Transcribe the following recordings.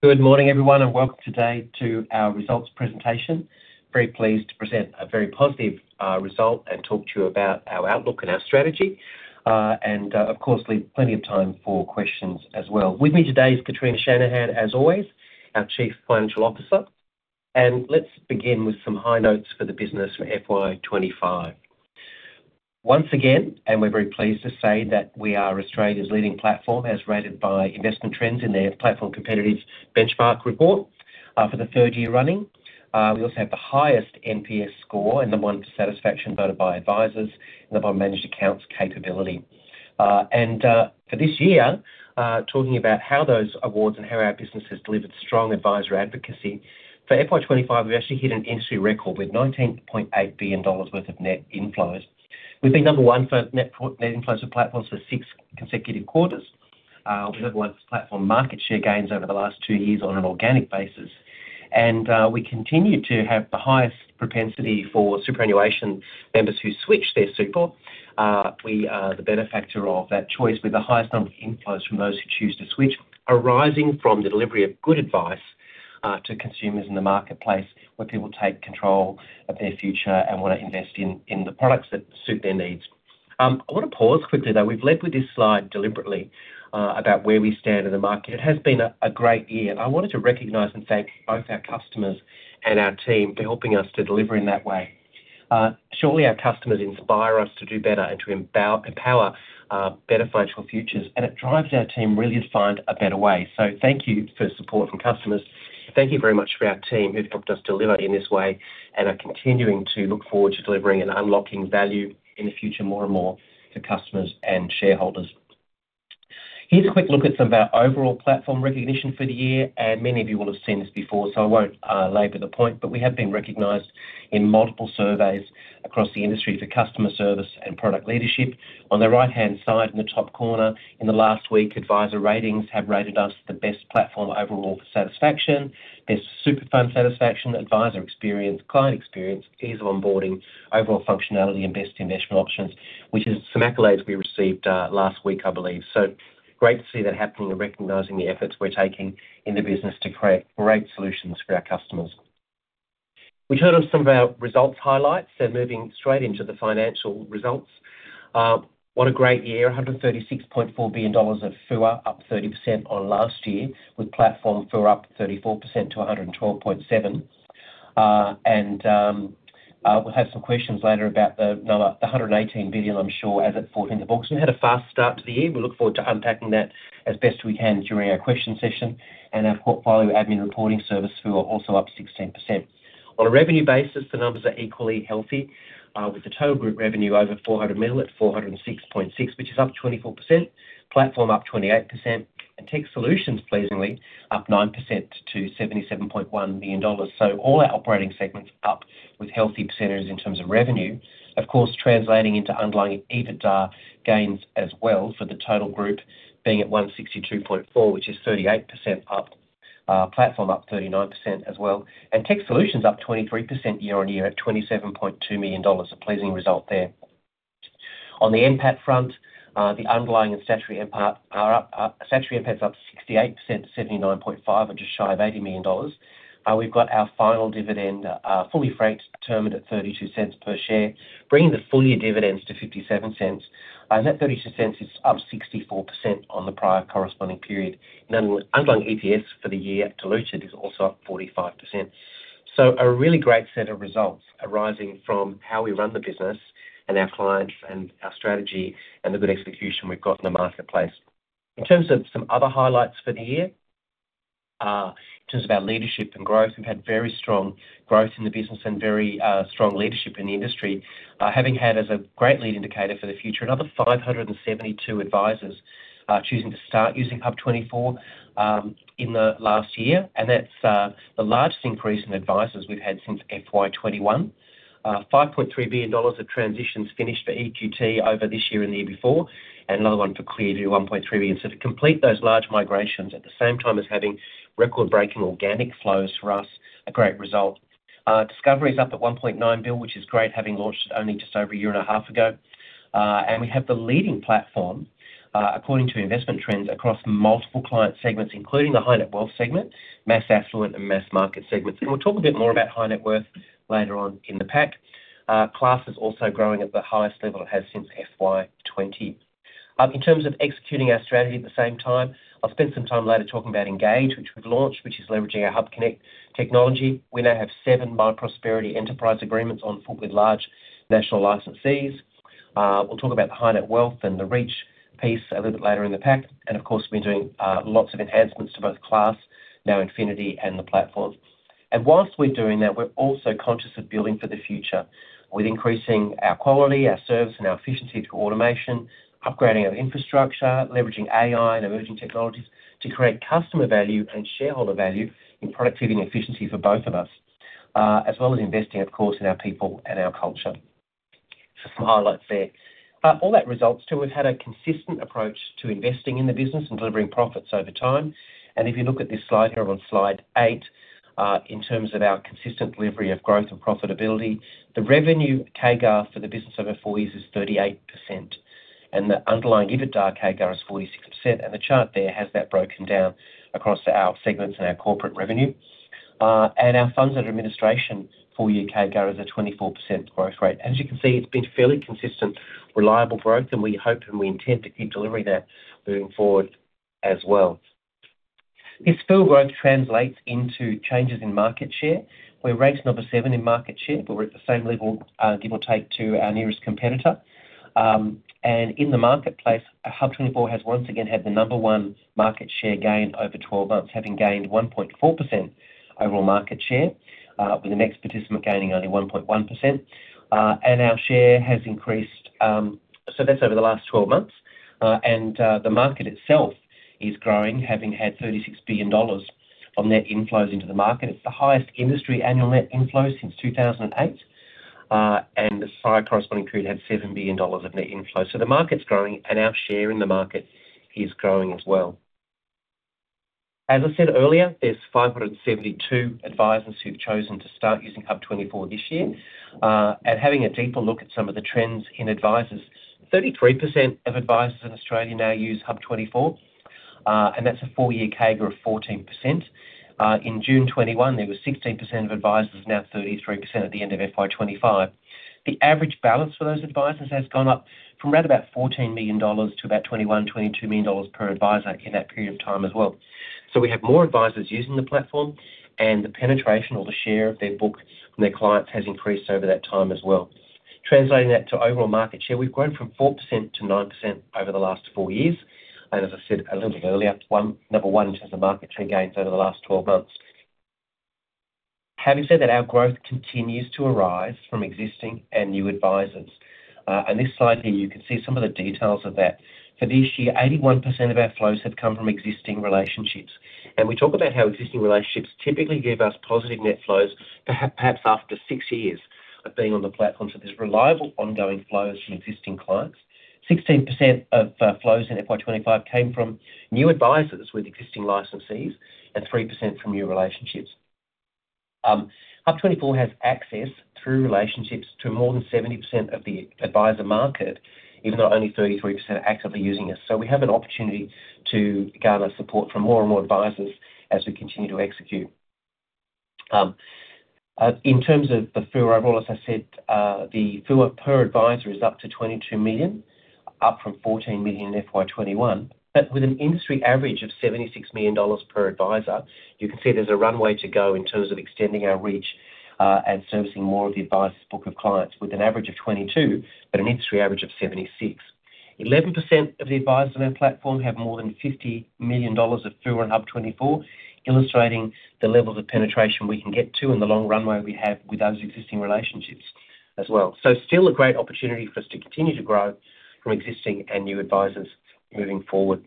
Good morning, everyone, and welcome today to our results presentation. I'm very pleased to present a very positive result and talk to you about our outlook and our strategy. Of course, leave plenty of time for questions as well. With me today is Kitrina Shanahan, as always, our Chief Financial Officer. Let's begin with some high notes for the business from FY 2025. Once again, we're very pleased to say that we are Australia's leading platform as rated by Investment Trends in their Platform Competitors Benchmark Report for the third year running. We also have the highest NPS score and number one for satisfaction vote by advisors in the bond managed accounts capability. For this year, talking about how those awards and how our business has delivered strong advisor advocacy. For FY 2025, we've actually hit an industry record with 19.8 billion dollars worth of net inflows. We've been number one for net inflows for platforms for six consecutive quarters. We're number one for platform market share gains over the last two years on an organic basis. We continue to have the highest propensity for superannuation members who switch their super. We are the benefactor of that choice with the highest number of inflows from those who choose to switch, arising from the delivery of good advice to consumers in the marketplace where people take control of their future and want to invest in the products that suit their needs. I want to pause quickly. We've led with this slide deliberately, about where we stand in the market. It has been a great year. I wanted to recognize, in fact, both our customers and our team for helping us to deliver in that way. Surely our customers inspire us to do better and to empower better financial futures. It drives our team really to find a better way. Thank you for support from customers. Thank you very much for our team who've helped us deliver in this way and are continuing to look forward to delivering and unlocking value in the future more and more for customers and shareholders. Here's a quick look at some of our overall platform recognition for the year. Many of you will have seen this before, so I won't elaborate the point. We have been recognized in multiple surveys across the industry for customer service and product leadership. On the right-hand side in the top corner, in the last week, Advisor Ratings have rated us the best platform overall for satisfaction. There's super fun satisfaction, advisor experience, client experience, ease of onboarding, overall functionality, and best investment options, which is some accolades we received last week, I believe. Great to see that happening and recognizing the efforts we're taking in the business to create great solutions for our customers. We turn to some of our results highlights and moving straight into the financial results. What a great year. 136.4 billion dollars of FUA, up 30% on last year, with platform were up 34% to 112.7 billion. We'll have some questions later about the number, the 118 billion, I'm sure, as it falls into the books. We had a fast start to the year. We look forward to unpacking that as best we can during our question session. Our portfolio admin reporting service were also up 16%. On a revenue basis, the numbers are equally healthy, with the total group revenue over 400 million at 406.6 million, which is up 24%. Platform up 28%. Tech solutions, pleasingly, up 9% to 77.1 million dollars. All our operating segments are up with healthy percentages in terms of revenue, of course, translating into underlying EBITDA gains as well for the total group being at 162.4 million, which is 38% up. Platform up 39% as well. Tech solutions up 23% year-on-year at 27.2 million dollars. A pleasing result there. On the NPAT front, the underlying and statutory NPATs are up 68% to 79.5 million, just shy of 80 million dollars. We've got our final dividend fully franked determined at 0.32 per share, bringing the full year dividends to 0.57. That 0.32 is up 64% on the prior corresponding period. Underlying EPS for the year diluted is also up 45%. A really great set of results arising from how we run the business and our clients and our strategy and the good execution we've got in the marketplace. In terms of some other highlights for the year, in terms of our leadership and growth, we've had very strong growth in the business and very strong leadership in the industry, having had as a great lead indicator for the future another 572 advisors choosing to start using HUB24 in the last year. That's the largest increase in advisors we've had since FY 2021. 5.3 billion dollars of transitions finished for EQT over this year and the year before. Another one for ClearView, 1.3 billion. To complete those large migrations at the same time as having record-breaking organic flows for us, a great result. Discovery is up at 1.9 billion, which is great, having launched it only just over a year and a half ago. We have the leading platform, according to Investment Trends, across multiple client segments, including the high net wealth segment, mass affluent, and mass market segments. We'll talk a bit more about high net worth later on in the pack. Class is also growing at the highest level it has since FY 2020. In terms of executing our strategy at the same time, I'll spend some time later talking about Engage, which we've launched, which is leveraging our HUBconnect technology. We now have seven myprosperity enterprise agreements on public large national licenses. We'll talk about the high net wealth and the reach piece a little bit later in the pack. Of course, we're doing lots of enhancements to both Class, NowInfinity, and the Platform. Whilst we're doing that, we're also conscious of building for the future with increasing our quality, our service, and our efficiency through automation, upgrading our infrastructure, leveraging AI and emerging technologies to create customer value and shareholder value in productivity and efficiency for both of us, as well as investing, of course, in our people and our culture. Just some highlights there. All that results to we've had a consistent approach to investing in the business and delivering profits over time. If you look at this slide here on slide eight, in terms of our consistent delivery of growth and profitability, the revenue CAGR for the business over four years is 38%. The underlying EBITDA CAGR is 46%. The chart there has that broken down across our segments and our corporate revenue. Our funds under administration full year CAGR is a 24% growth rate. As you can see, it's been fairly consistent, reliable growth. We hope and we intend to keep delivering that moving forward as well. This full growth translates into changes in market share. We're ranked number seven in market share, but we're at the same level, give or take, to our nearest competitor. In the marketplace, HUB24 has once again had the number one market share gain over 12 months, having gained 1.4% overall market share, with the next participant gaining only 1.1%. Our share has increased, so that's over the last 12 months. The market itself is growing, having had 36 billion dollars of net inflows into the market. It's the highest industry annual net inflow since 2008. The prior corresponding period had 7 billion dollars of net inflow. The market's growing and our share in the market is growing as well. As I said earlier, there are 572 advisors who've chosen to start using HUB24 this year. Having a deeper look at some of the trends in advisors, 33% of advisors in Australia now use HUB24. That's a full year CAGR of 14%. In June 2021, there were 16% of advisors, now 33% at the end of FY 2025. The average balance for those advisors has gone up from right about 14 million dollars to about 21 million dollars, AUD 22 million per advisor in that period of time as well. We have more advisors using the platform and the penetration or the share of their books and their clients has increased over that time as well. Translating that to overall market share, we've grown from 4% to 9% over the last four years. As I said a little bit earlier, number one in terms of market share gains over the last 12 months. Our growth continues to arise from existing and new advisors. This slide here, you can see some of the details of that. For this year, 81% of our flows have come from existing relationships. We talk about how existing relationships typically give us positive net flows perhaps after six years of being on the platform. There's reliable ongoing flows from existing clients. 16% of flows in FY 2025 came from new advisors with existing licenses and 3% from new relationships. HUB24 has access through relationships to more than 70% of the advisor market, even though only 33% are actively using it. We have an opportunity to gather support from more and more advisors as we continue to execute. In terms of the FUA role, as I said, the FUA per advisor is up to 22 million, up from 14 million in FY 2021. With an industry average of 76 million dollars per advisor, you can see there's a runway to go in terms of extending our reach and servicing more of the advisor's book of clients with an average of 22 million, but an industry average of 76 million. 11% of the advisors on our platform have more than 50 million dollars of FUA in HUB24, illustrating the levels of penetration we can get to in the long runway we have with those existing relationships as well. Still a great opportunity for us to continue to grow from existing and new advisors moving forward.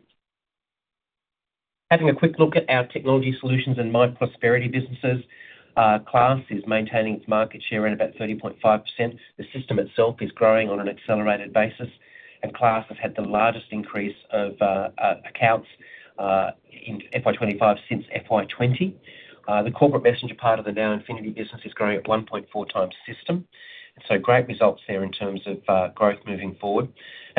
Having a quick look at our technology solutions and myprosperity businesses, Class is maintaining its market share at about 30.5%. The system itself is growing on an accelerated basis. Class has had the largest increase of accounts in FY 2025 since FY 2020. The corporate messenger part of the NowInfinity business is growing at 1.4x the system. Great results there in terms of growth moving forward.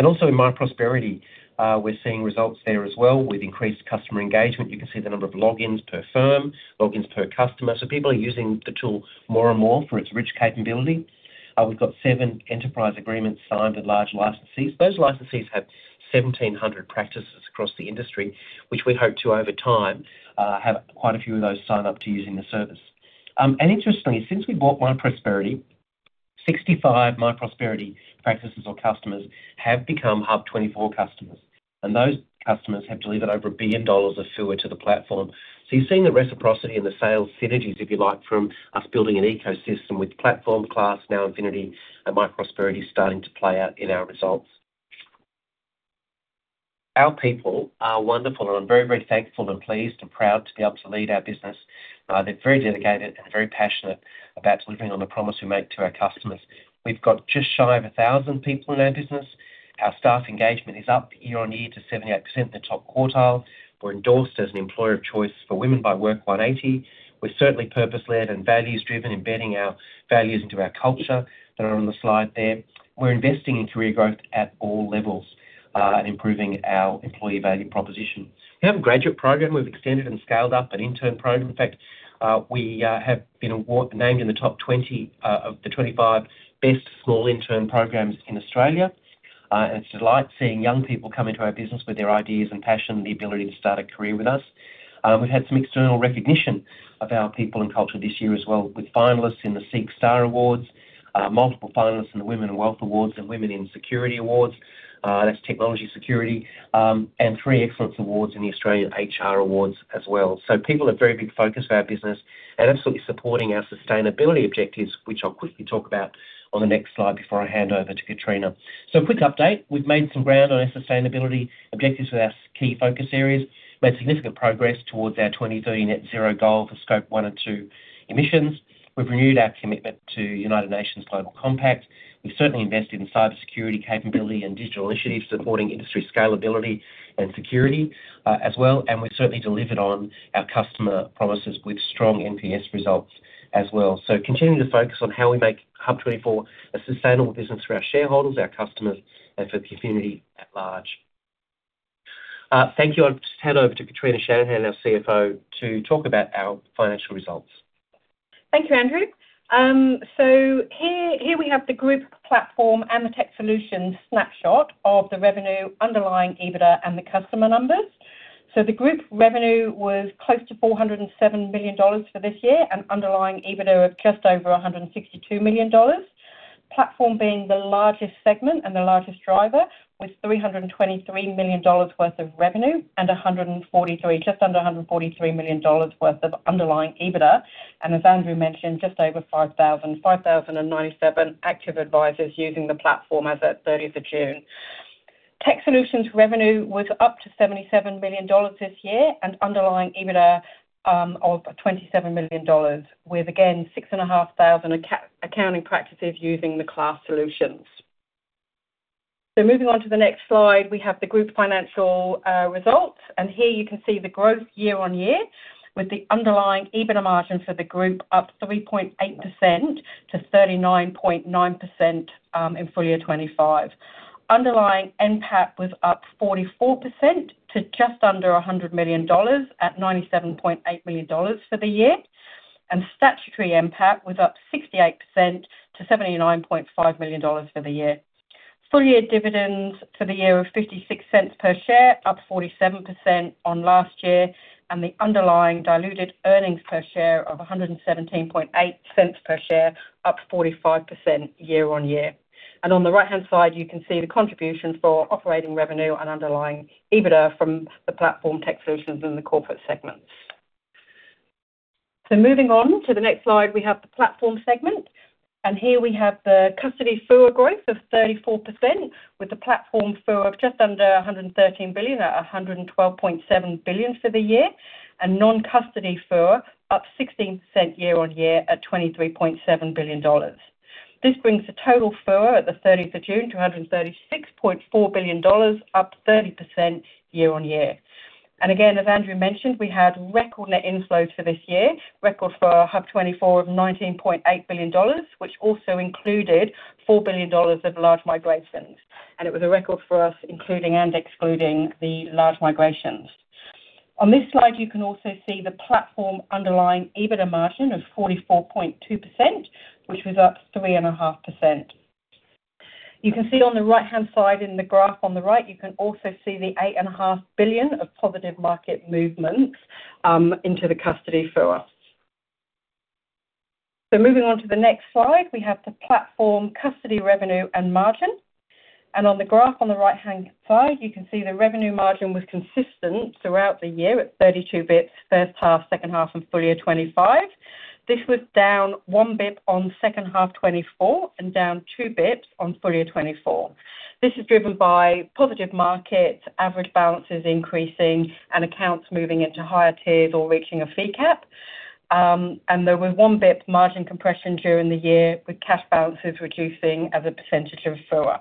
Also in myprosperity, we're seeing results there as well with increased customer engagement. You can see the number of logins per firm, logins per customer. People are using the tool more and more for its rich capability. We've got seven enterprise agreements signed and large licenses. Those licenses have 1,700 practices across the industry, which we hope to over time have quite a few of those sign up to using the service. Interestingly, since we bought myprosperity, 65 myprosperity practices or customers have become HUB24 customers. Those customers have delivered over 1 billion dollars of FUA to the platform. You're seeing the reciprocity and the sales synergies, if you like, from us building an ecosystem with the Platform, Class, NowInfinity, and myprosperity starting to play out in our results. Our people are wonderful. I'm very, very thankful and pleased and proud to be able to lead our business. They're very dedicated and very passionate about delivering on the promise we make to our customers. We've got just shy of 1,000 people in our business. Our staff engagement is up year-on-year to 78% in the top quartile. We're endorsed as an employer of choice for women by WORK180. We're certainly purpose-led and values-driven, embedding our values into our culture. They're on the slide there. We're investing in career growth at all levels and improving our employee value proposition. We have a graduate program, we've extended and scaled up an intern program. In fact, we have been named in the top 20 of the 25 best small intern programs in Australia. It's a delight seeing young people come into our business with their ideas and passion and the ability to start a career with us. We've had some external recognition of our people and culture this year as well, with finalists in the SEEK STAR Awards, multiple finalists in the Women in Wealth Awards, and Women in Security Awards. That's technology security. Three excellence awards in the Australian HR Awards as well. People have very big focus for our business and absolutely supporting our sustainability objectives, which I'll quickly talk about on the next slide before I hand over to Kitrina. A quick update. We've made some ground on our sustainability objectives with our key focus areas. We've made significant progress towards our 2030 net zero goal for scope 1 or 2 emissions. We've renewed our commitment to United Nations Global Compact. We've certainly invested in cybersecurity capability and digital initiatives supporting industry scalability and security as well. We've certainly delivered on our customer promises with strong NPS results as well. We are continuing to focus on how we make HUB24 a sustainable business for our shareholders, our customers, and for the community at large. Thank you. I'll just hand over to Kitrina Shanahan, our CFO, to talk about our financial results. Thank you, Andrew. Here we have the group platform and the tech solution snapshot of the revenue, underlying EBITDA, and the customer numbers. The group revenue was close to 407 million dollars for this year and underlying EBITDA of just over 162 million dollars. Platform being the largest segment and the largest driver with 323 million dollars worth of revenue and just under 143 million dollars worth of underlying EBITDA. As Andrew mentioned, just over 5,000, 5,097 active advisors using the Platform as of 30th of June. Tech solutions revenue was up to 77 million dollars this year and underlying EBITDA of 27 million dollars, with again 6,500 accounting practices using the Class solutions. Moving on to the next slide, we have the group financial results. Here you can see the growth year-on-year with the underlying EBITDA margin for the group up 3.8% to 39.9% in full year 2025. Underlying NPAT was up 44% to just under 100 million dollars at 97.8 million dollars for the year. Statutory NPAT was up 68% to 79.5 million dollars for the year. Full year dividends for the year of 0.56 per share, up 47% on last year. The underlying diluted earnings per share of 1.178 per share, up 45% year-on-year. On the right-hand side, you can see the contributions for operating revenue and underlying EBITDA from the Platform, tech solutions, and the corporate segments. Moving on to the next slide, we have the Platform segment. Here we have the custody FUA growth of 34% with the Platform FUA of just under 113 billion at 112.7 billion for the year. Non-custody FUA up 16% year-on-year at 23.7 billion dollars. This brings the total FUA at the 30th of June to 136.4 billion dollars, up 30% year-on-year. As Andrew mentioned, we had record net inflows for this year, record for HUB24 of 19.8 billion dollars, which also included 4 billion dollars of large migrations. It was a record for us, including and excluding the large migrations. On this slide, you can also see the platform underlying EBITDA margin of 44.2%, which was up 3.5%. You can see on the right-hand side in the graph on the right, the 8.5 billion of positive market movements into the custody FUA. Moving on to the next slide, we have the platform custody revenue and margin. On the graph on the right-hand side, you can see the revenue margin was consistent throughout the year at 32 basis points first half, second half, and full year 2025. This was down 1 basis point on second half 2024 and down 2 basis points on full year 2024. This is driven by positive markets, average balances increasing, and accounts moving into higher tiers or reaching a fee cap. There was 1 basis point margin compression during the year with cash balances reducing as a percentage of FUA.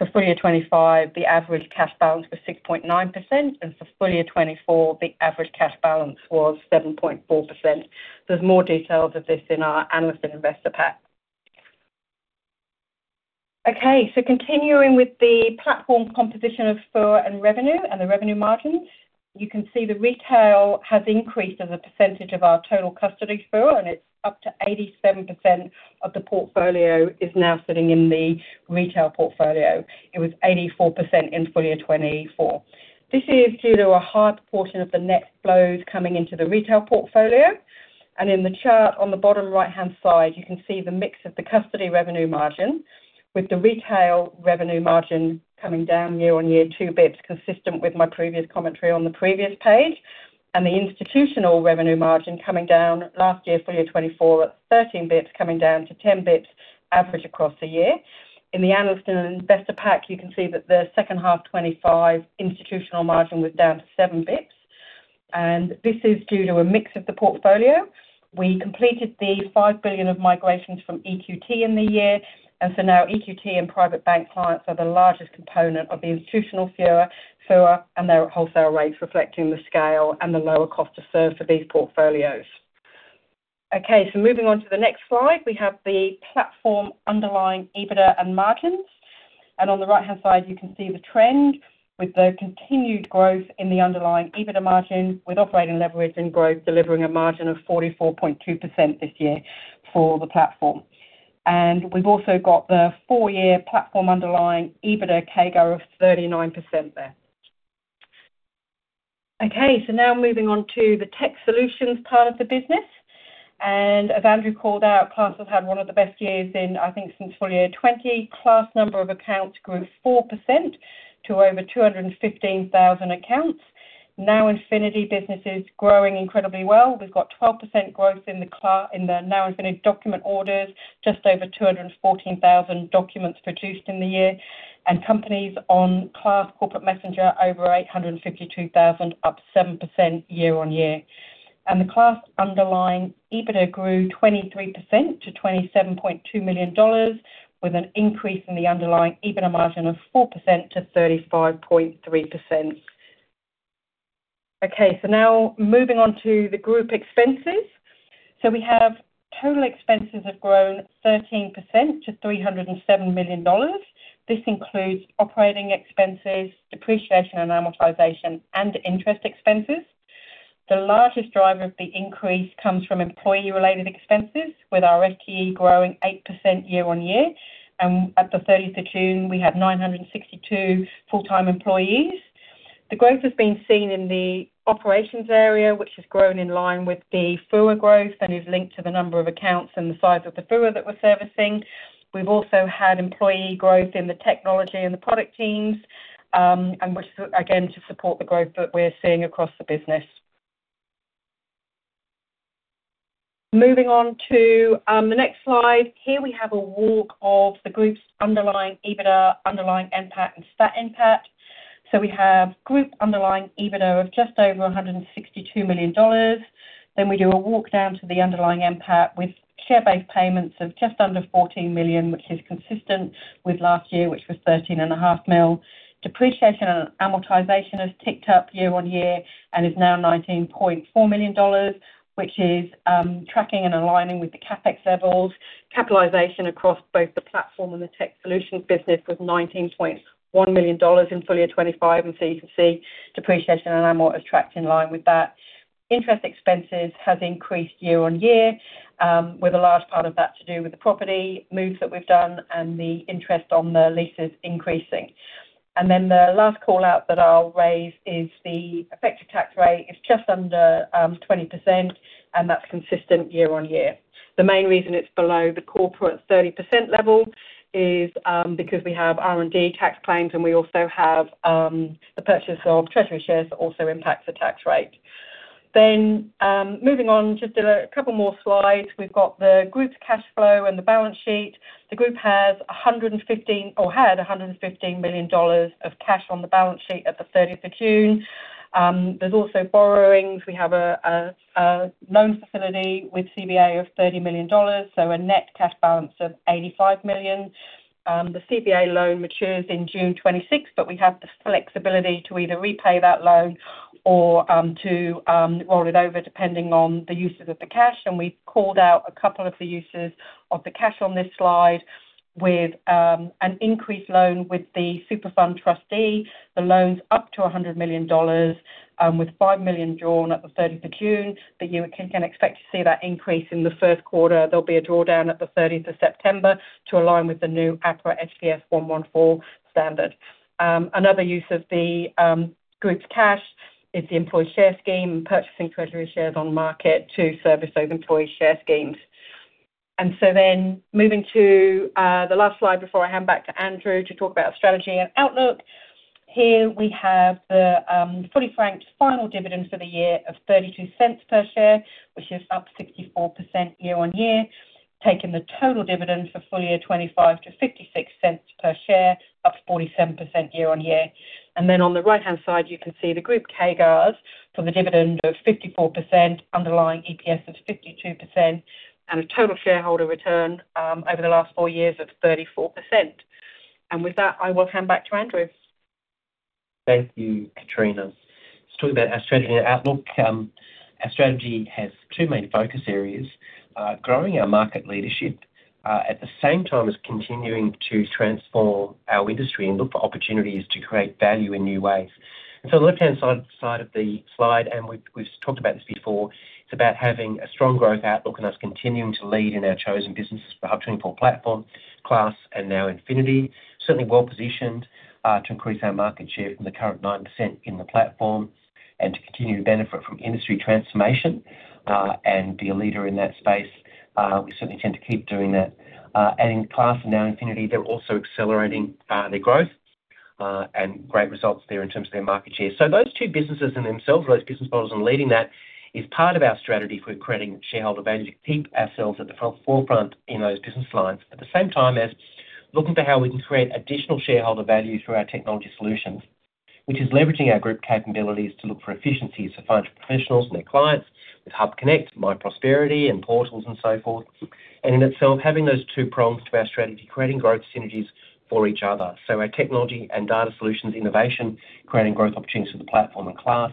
For full year 2025, the average cash balance was 6.9%. For full year 2024, the average cash balance was 7.4%. There are more details of this in our analyst and investor pack. Continuing with the platform composition of FUA and revenue and the revenue margins, you can see the retail has increased as a percentage of our total custody FUA. It is up to 87% of the portfolio now sitting in the retail portfolio. It was 84% in full year 2024. This is due to a high proportion of the net flows coming into the retail portfolio. In the chart on the bottom right-hand side, you can see the mix of the custody revenue margin with the retail revenue margin coming down year-on-year 2 basis points, consistent with my previous commentary on the previous page. The institutional revenue margin came down last year, full year 2024, at 13 basis points, coming down to 10 basis points average across the year. In the analyst and investor pack, you can see that the second half 2025 institutional margin was down to 7 basis points. This is due to a mix of the portfolio. We completed the $5 billion of migrations from EQT in the year. Now EQT and private bank clients are the largest component of the institutional FUA, and their wholesale rates reflect the scale and the lower cost of service for these portfolios. Moving on to the next slide, we have the platform underlying EBITDA and margins. On the right-hand side, you can see the trend with the continued growth in the underlying EBITDA margin with operating leverage and growth delivering a margin of 44.2% this year for the platform. We've also got the four-year platform underlying EBITDA CAGR of 39% there. Now moving on to the tech solutions part of the business. As Andrew called out, Class has had one of the best years since full year 2020. Class number of accounts grew 4% to over 215,000 accounts. NowInfinity business is growing incredibly well. We've got 12% growth in the NowInfinity document orders, just over 214,000 documents produced in the year. Companies on Class Corporate Messenger, over 852,000, up 7% year-on-year. The Class underlying EBITDA grew 23% to 27.2 million dollars, with an increase in the underlying EBITDA margin of 4% to 35.3%. OK, now moving on to the group expenses. We have total expenses have grown 13% to 307 million dollars. This includes operating expenses, depreciation and amortization, and interest expenses. The largest driver of the increase comes from employee-related expenses, with our FTE growing 8% year-on-year. At the 30th of June, we had 962 full-time employees. The growth has been seen in the operations area, which has grown in line with the FUA growth and is linked to the number of accounts and the size of the FUA that we're servicing. We've also had employee growth in the technology and the product teams, which is again to support the growth that we're seeing across the business. Moving on to the next slide, here we have a walk of the group's underlying EBITDA, underlying NPAT, and stat NPAT. We have group underlying EBITDA of just over 162 million dollars. We do a walk down to the underlying NPAT with share-based payments of just under 14 million, which is consistent with last year, which was 13.5 million. Depreciation and amortization has ticked up year-on-year and is now 19.4 million dollars, which is tracking and aligning with the CapEx levels. Capitalization across both the platform and the technology solutions business was 19.1 million dollars in full year 2025. You can see depreciation and amortization tracked in line with that. Interest expenses have increased year-on-year, with a large part of that to do with the property moves that we've done and the interest on the leases increasing. The last call out that I'll raise is the effective tax rate is just under 20%. That's consistent year-on-year. The main reason it's below the corporate 30% level is because we have R&D tax claims. We also have the purchase of treasury shares that also impacts the tax rate. Moving on just a couple more slides, we've got the group's cash flow and the balance sheet. The group has 115 million dollars of cash on the balance sheet at the 30th of June. There's also borrowings. We have a loan facility with CBA of 30 million dollars, so a net cash balance of 85 million. The CBA loan matures in June 2026, but we have the flexibility to either repay that loan or to roll it over depending on the uses of the cash. We've called out a couple of the uses of the cash on this slide with an increased loan with the super fund trustee. The loan's up to 100 million dollars, with 5 million drawn at the 30th of June. You can expect to see that increase in the first quarter. There'll be a drawdown at the 30th of September to align with the new APRA SPS 114 standard. Another use of the group's cash is the employee share scheme and purchasing treasury shares on market to service those employee share schemes. Moving to the last slide before I hand back to Andrew to talk about strategy and outlook, here we have the fully franked final dividend for the year of 0.32 per share, which is up 64% year-on-year, taking the total dividend for full year 2025 to 0.56 per share, up 47% year-on-year. On the right-hand side, you can see the group CAGRs for the dividend of 54%, underlying EPS of 52%, and a total shareholder return over the last four years of 34%. With that, I will hand back to Andrew. Thank you, Kitrina. Just talking about our strategy and our outlook. Our strategy has two main focus areas: growing our market leadership at the same time as continuing to transform our industry and look for opportunities to create value in new ways. On the left-hand side of the slide, and we've talked about this before, it's about having a strong growth outlook and us continuing to lead in our chosen businesses for HUB24 Platform, Class, and NowInfinity. Certainly well positioned to increase our market share from the current 9% in the platform and to continue to benefit from industry transformation and be a leader in that space. We certainly tend to keep doing that. Class and NowInfinity, they're also accelerating their growth and great results there in terms of their market share. Those two businesses in themselves, those business models and leading that is part of our strategy for creating shareholder value to keep ourselves at the forefront in those business lines at the same time as looking to how we can create additional shareholder value through our technology solutions, which is leveraging our group capabilities to look for efficiencies for financial professionals and their clients with HUBconnect, myprosperity, and portals and so forth. In itself, having those two prongs to our strategy, creating growth synergies for each other. Our technology and data solutions innovation creating growth opportunities for the Platform and Class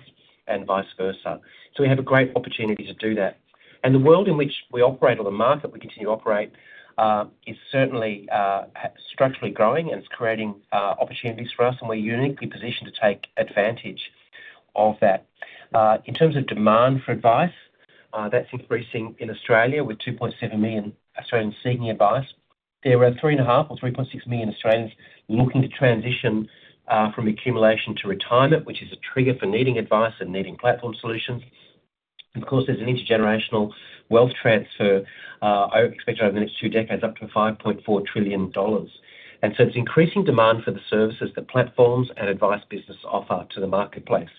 and vice versa. We have a great opportunity to do that. The world in which we operate or the market we continue to operate is certainly structurally growing and is creating opportunities for us. We're uniquely positioned to take advantage of that. In terms of demand for advice, that's increasing in Australia with 2.7 million Australians seeking advice. There are 3.5 million or 3.6 million Australians looking to transition from accumulation to retirement, which is a trigger for needing advice and needing platform solutions. Of course, there's an intergenerational wealth transfer expected over the next two decades up to 5.4 trillion dollars. It's increasing demand for the services that platforms and advice businesses offer to the marketplace.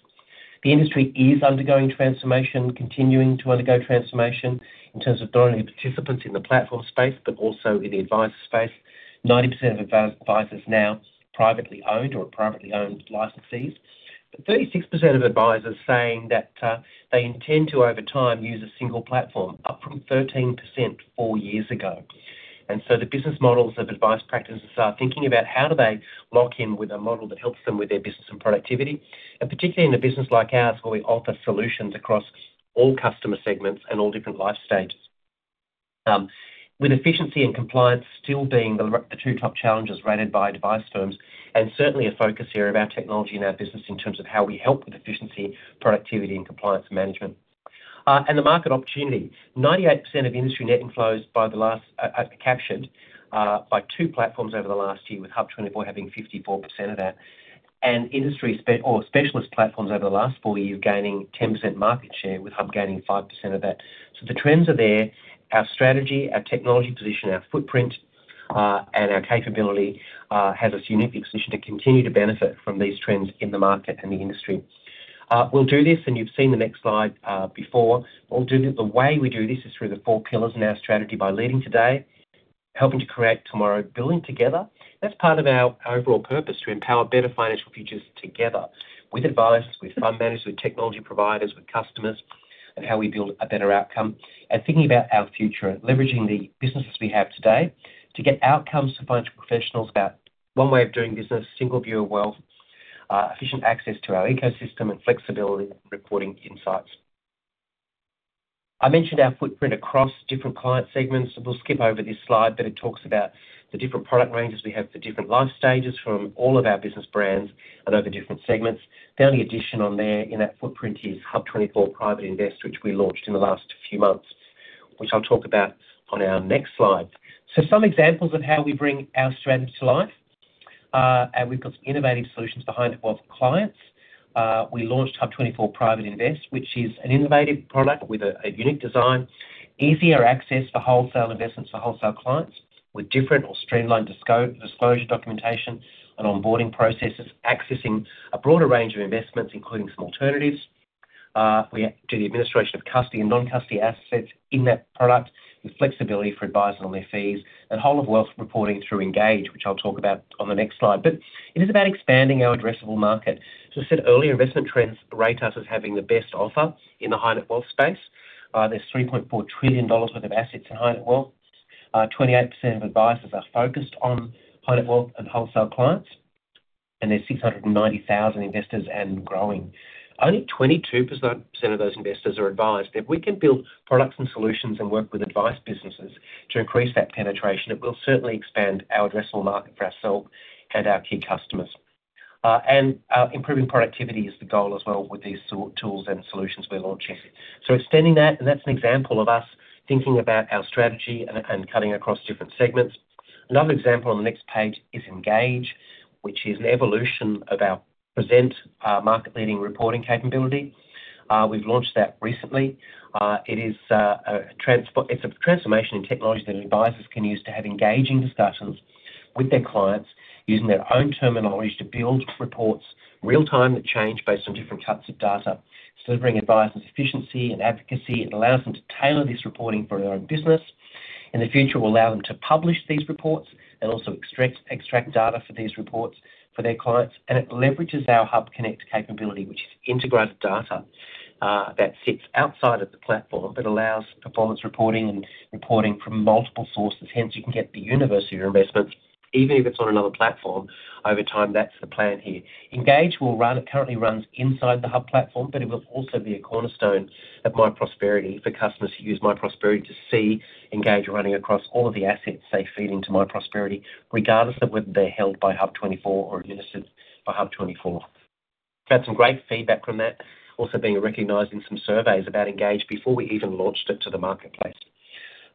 The industry is undergoing transformation, continuing to undergo transformation in terms of not only participants in the platform space but also in the advice space. 90% of advisors now privately owned or privately owned licenses. 36% of advisors are saying that they intend to, over time, use a single platform, up from 13% four years ago. The business models of advice practices are thinking about how do they lock in with a model that helps them with their business and productivity, particularly in a business like ours where we offer solutions across all customer segments and all different life stages. Efficiency and compliance are still the two top challenges rated by advisors, and certainly a focus here of our technology in our business in terms of how we help with efficiency, productivity, and compliance management. The market opportunity is that 98% of industry net inflows by the last year are captured by two platforms, with HUB24 having 54% of that. Industry specialist platforms over the last four years have gained 10% platform market share, with HUB gaining 5% of that. The trends are there. Our strategy, our technology position, our footprint, and our capability have us uniquely positioned to continue to benefit from these trends in the market and the industry. We will do this, and you've seen the next slide before. We will do this. The way we do this is through the four pillars in our strategy by leading today, helping to create tomorrow, building together. That's part of our overall purpose to empower better financial futures together with advice, with fund managers, with technology providers, with customers, and how we build a better outcome. Thinking about our future, leveraging the businesses we have today to get outcomes to financial professionals about one way of doing business, single view of wealth, efficient access to our ecosystem, and flexibility in reporting insights. I mentioned our footprint across different client segments. We'll skip over this slide, but it talks about the different product ranges we have for different life stages from all of our business brands and over different segments. The only addition on there in that footprint is HUB24 Private Invest, which we launched in the last few months, which I'll talk about on our next slide. Some examples of how we bring our strategy to life. We've got some innovative solutions behind it for our clients. We launched HUB24 Private Invest, which is an innovative product with a unique design, easier access to wholesale investments for wholesale clients with different or streamlined disclosure documentation and onboarding processes, accessing a broader range of investments, including some alternatives. We do the administration of custody and non-custody assets in that product with flexibility for advising on their fees and whole of wealth reporting through Engage, which I'll talk about on the next slide. It is about expanding our addressable market. I said earlier, Investment Trends rate us as having the best offer in the High Net Wealth space. There's 3.4 trillion dollars worth of assets in High Net Wealth. 28% of advisors are focused on High Net Wealth and wholesale clients. There's 690,000 investors and growing. Only 22% of those investors are advised. If we can build products and solutions and work with advice businesses to increase that penetration, it will certainly expand our addressable market for ourselves and our key customers. Improving productivity is the goal as well with these tools and solutions we're launching. Extending that, and that's an example of us thinking about our strategy and cutting across different segments. Another example on the next page is Engage, which is an evolution of our present market-leading reporting capability. We've launched that recently. It's a transformation in technology that advisors can use to have engaging discussions with their clients using their own terminology to build reports real-time that change based on different types of data. It's delivering advisors efficiency and advocacy and allows them to tailor this reporting for their own business. In the future, we'll allow them to publish these reports and also extract data for these reports for their clients. It leverages our HUBconnect capability, which is integrated data that sits outside of the platform but allows performance reporting and reporting from multiple sources. Hence, you can get the universe of your investments, even if it's on another platform over time. That's the plan here. Engage will run. It currently runs inside the HUB platform, but it will also be a cornerstone of myprosperity for customers who use myprosperity to see Engage running across all of the assets they feed into myprosperity, regardless of whether they're held by HUB24 or administered by HUB24. We've had some great feedback from that, also being recognized in some surveys about Engage before we even launched it to the marketplace.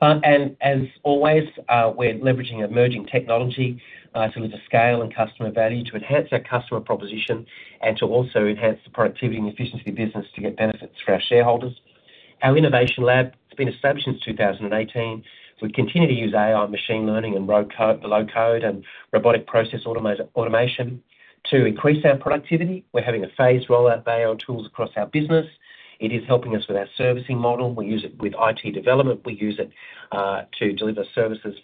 As always, we're leveraging emerging technology to scale and customer value to enhance our customer proposition and to also enhance the productivity and efficiency of the business to get benefits for our shareholders. Our innovation lab has been established since 2018. We continue to use AI, machine learning, and low code and robotic process automation to increase our productivity. We're having a phased rollout of AI tools across our business. It is helping us with our servicing model. We use it with IT development. We use it to deliver services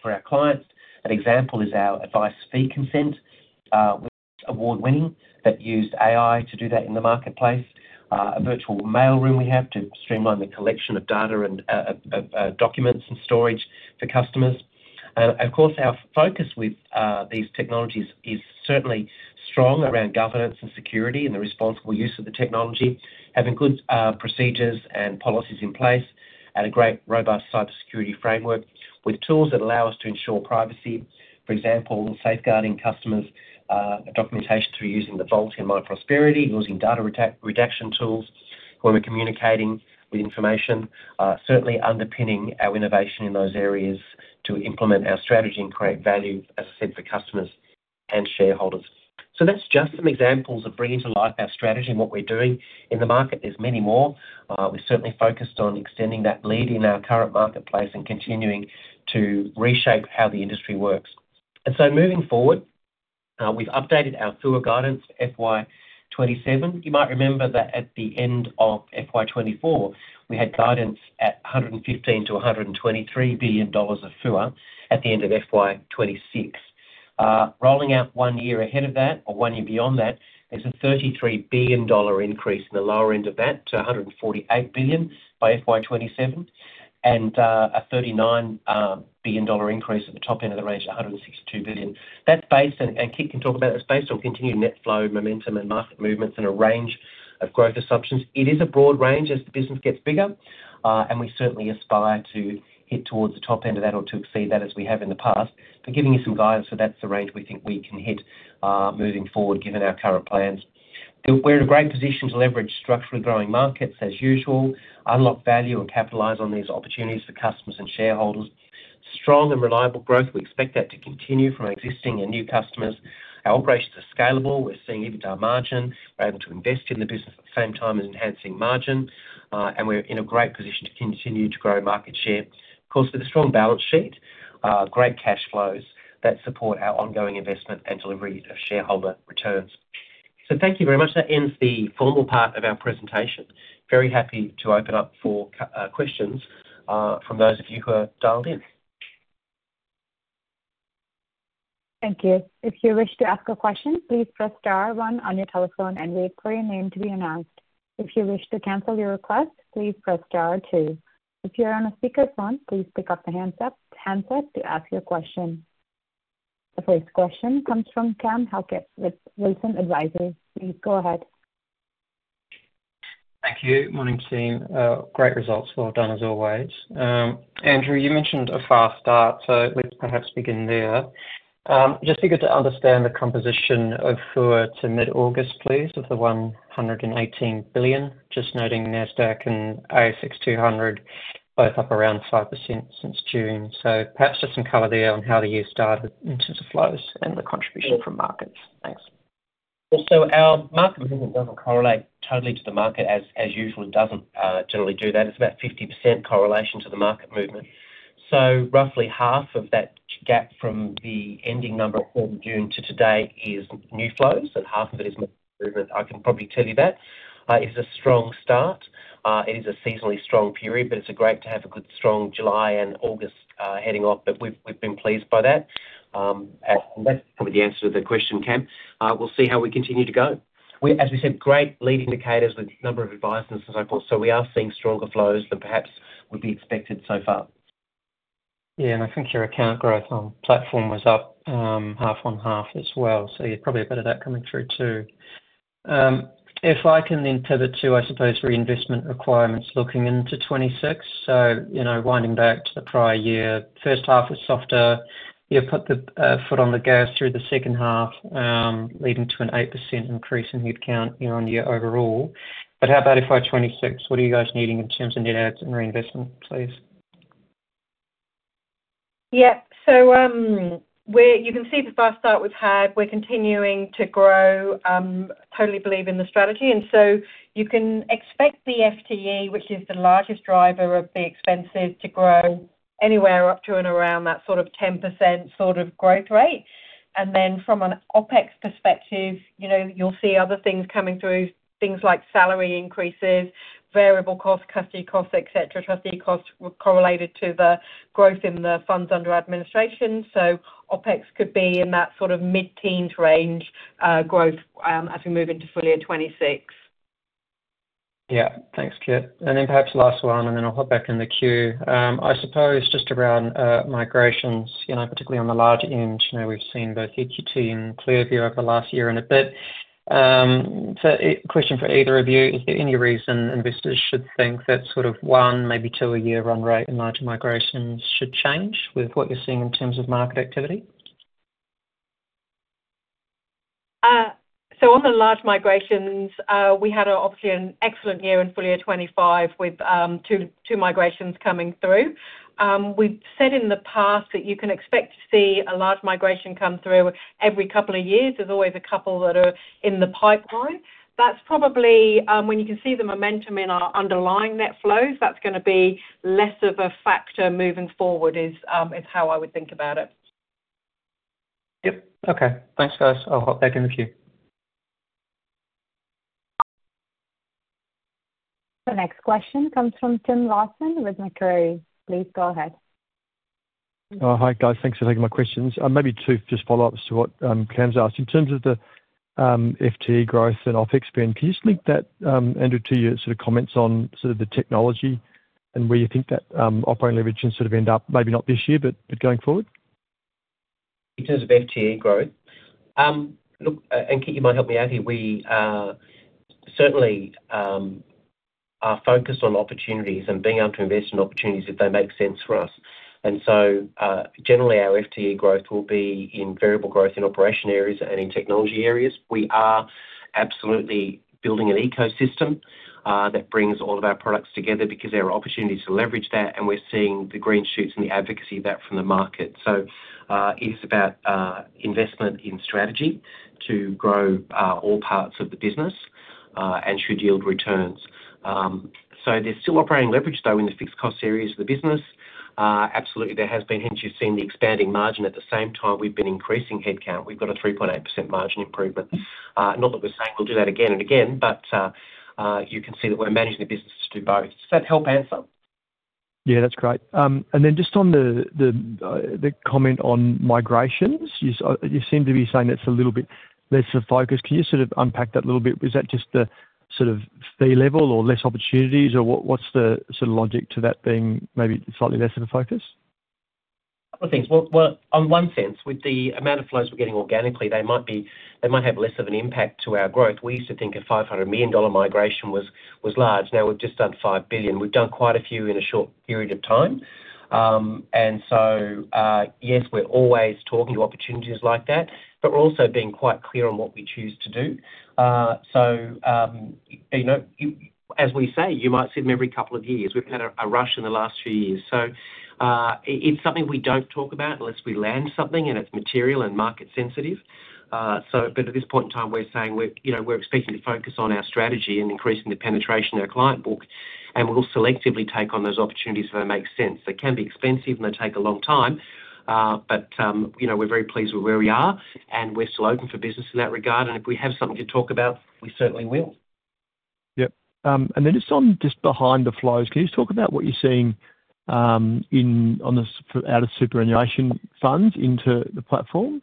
for our clients. An example is our advice fee consent with award-winning that used AI to do that in the marketplace. A virtual mail room we have to streamline the collection of data and documents and storage for customers. Of course, our focus with these technologies is certainly strong around governance and security and the responsible use of the technology, having good procedures and policies in place and a great robust cybersecurity framework with tools that allow us to ensure privacy. For example, safeguarding customers' documentation through using the vault in myprosperity, using data redaction tools when we're communicating with information, certainly underpinning our innovation in those areas to implement our strategy and create value, as I said, for customers and shareholders. That's just some examples of bringing to life our strategy and what we're doing in the market. There are many more. We're certainly focused on extending that lead in our current marketplace and continuing to reshape how the industry works. Moving forward, we've updated our FUA guidance FY 2027. You might remember that at the end of FY 2024, we had guidance at AUD 115 billion to 123 billion dollars of FUA at the end of FY 2026. Rolling out one year ahead of that or one year beyond that is a 33 billion dollar increase in the lower end of that to 148 billion by FY 2027 and a 39 billion dollar increase at the top end of the range to 162 billion. That's based, and Kit can talk about it, that's based on continued net flow momentum and market movements and a range of growth assumptions. It is a broad range as the business gets bigger. We certainly aspire to hit towards the top end of that or to exceed that as we have in the past. Giving you some guidance, that's the range we think we can hit moving forward given our current plans. We're in a great position to leverage structurally growing markets as usual, unlock value, and capitalize on these opportunities for customers and shareholders. Strong and reliable growth. We expect that to continue from existing and new customers. Our operations are scalable. We're seeing EBITDA margin. We're able to invest in the business at the same time as enhancing margin. We're in a great position to continue to grow market share. Of course, with a strong balance sheet, great cash flows that support our ongoing investment and delivery of shareholder returns. Thank you very much. That ends the formal part of our presentation. Very happy to open up for questions from those of you who have dialed in. Thank you. If you wish to ask a question, please press star one on your telephone and wait for your name to be announced. If you wish to cancel your request, please press star two. If you're on a speaker phone, please pick up the handset to ask your question. The first question comes from Cam Halkett with Wilsons Advisory. Please go ahead. Thank you. Morning, team. Great results. Well done, as always. Andrew, you mentioned a fast start, so let's perhaps begin there. Just be good to understand the composition of FUA to mid-August, please, of the 118 billion. Just noting Nasdaq and ASX 200 both up around 5% since June. Perhaps there's some color there on how the year started in terms of flows and the contribution from markets. Thanks. Our market movement doesn't correlate totally to the market as usual. It doesn't generally do that. It's about 50% correlation to the market movement. Roughly half of that gap from the ending number of June to today is new flows, and half of it is market movement. I can probably tell you that. It is a strong start. It is a seasonally strong period, but it's great to have a good strong July and August heading up. We've been pleased by that. That's probably the answer to the question, Cam. We'll see how we continue to go. As we said, great lead indicators with a number of advisors and so forth. We are seeing stronger flows than perhaps would be expected so far. Yeah, and I think your account growth on platform was up half on half as well. You're probably a bit of that coming through too. If I can then tether to, I suppose, reinvestment requirements looking into 2026. Winding back to the prior year, first half is softer. You've put the foot on the gas through the second half, leading to an 8% increase in headcount year-on-year overall. How about FY 2026? What are you guys needing in terms of net adds and reinvestment, please? You can see the fast start we've had. We're continuing to grow. Totally believe in the strategy. You can expect the FTE, which is the largest driver of the expenses, to grow anywhere up to and around that sort of 10% sort of growth rate. From an OpEx perspective, you'll see other things coming through, things like salary increases, variable costs, custody costs, et cetera. Custody costs were correlated to the growth in the funds under administration. OpEx could be in that sort of mid-teens range growth as we move into full year 2026. Yeah, thanks, Kit. Perhaps last one, and then I'll hop back in the queue. I suppose just around migrations, particularly on the large end. We've seen both EQT and ClearView over the last year and a bit. A question for either of you. Is there any reason investors should think that sort of one, maybe two a year run rate in large migrations should change with what you're seeing in terms of market activity? On the large migrations, we had obviously an excellent year in full year 2025 with two migrations coming through. We've said in the past that you can expect to see a large migration come through every couple of years. There's always a couple that are in the pipeline. That's probably when you can see the momentum in our underlying net flows. That's going to be less of a factor moving forward, is how I would think about it. Yep. OK, thanks, guys. I'll hop back in the queue. The next question comes from Tim Lawson with Macquarie. Please go ahead. Hi, guys. Thanks for taking my questions. Maybe two just follow-ups to what Cam's asked. In terms of the FTE growth and OpEx spend, can you just link that, Andrew, to your sort of comments on the technology and where you think that operating leverage can end up, maybe not this year, but going forward? In terms of FTE growth, look, and Kit, you might help me out here. We certainly are focused on opportunities and being able to invest in opportunities if they make sense for us. Generally, our FTE growth will be in variable growth in operation areas and in technology areas. We are absolutely building an ecosystem that brings all of our products together because there are opportunities to leverage that. We're seeing the green shoots and the advocacy of that from the market. It is about investment in strategy to grow all parts of the business and should yield returns. There's still operating leverage, though, in the fixed cost areas of the business. Absolutely, there has been, and you've seen the expanding margin. At the same time, we've been increasing headcount. We've got a 3.8% margin improvement. Not that we're saying we'll do that again and again, but you can see that we're managing the business to do both. Does that help answer? That's great. Just on the comment on migrations, you seem to be saying that's a little bit less of a focus. Can you sort of unpack that a little bit? Is that just the sort of fee level or less opportunities, or what's the sort of logic to that being maybe slightly less of a focus? Thanks. In one sense, with the amount of flows we're getting organically, they might have less of an impact to our growth. We used to think a 500 million dollar migration was large. Now we've just done 5 billion. We've done quite a few in a short period of time. Yes, we're always talking to opportunities like that, but we're also being quite clear on what we choose to do. You know, as we say, you might see them every couple of years. We've had a rush in the last few years. It's something we don't talk about unless we land something and it's material and market sensitive. At this point in time, we're saying we're expecting to focus on our strategy and increasing the penetration of our client book. We'll selectively take on those opportunities if they make sense. They can be expensive and they take a long time. You know, we're very pleased with where we are. We're still open for business in that regard. If we have something to talk about, we certainly will. Yep. Just on behind the flows, can you talk about what you're seeing out of superannuation funds into the platform?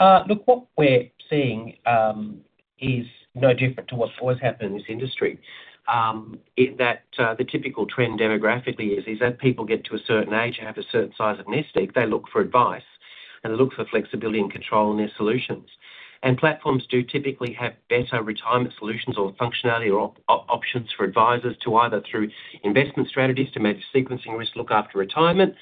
Look, what we're seeing is no different to what's always happened in this industry. The typical trend demographically is that people get to a certain age, have a certain size of nest egg. They look for advice and look for flexibility and control in their solutions. Platforms do typically have better retirement solutions or functionality or options for advisors to either through investment strategies to make sequencing risks look after retirement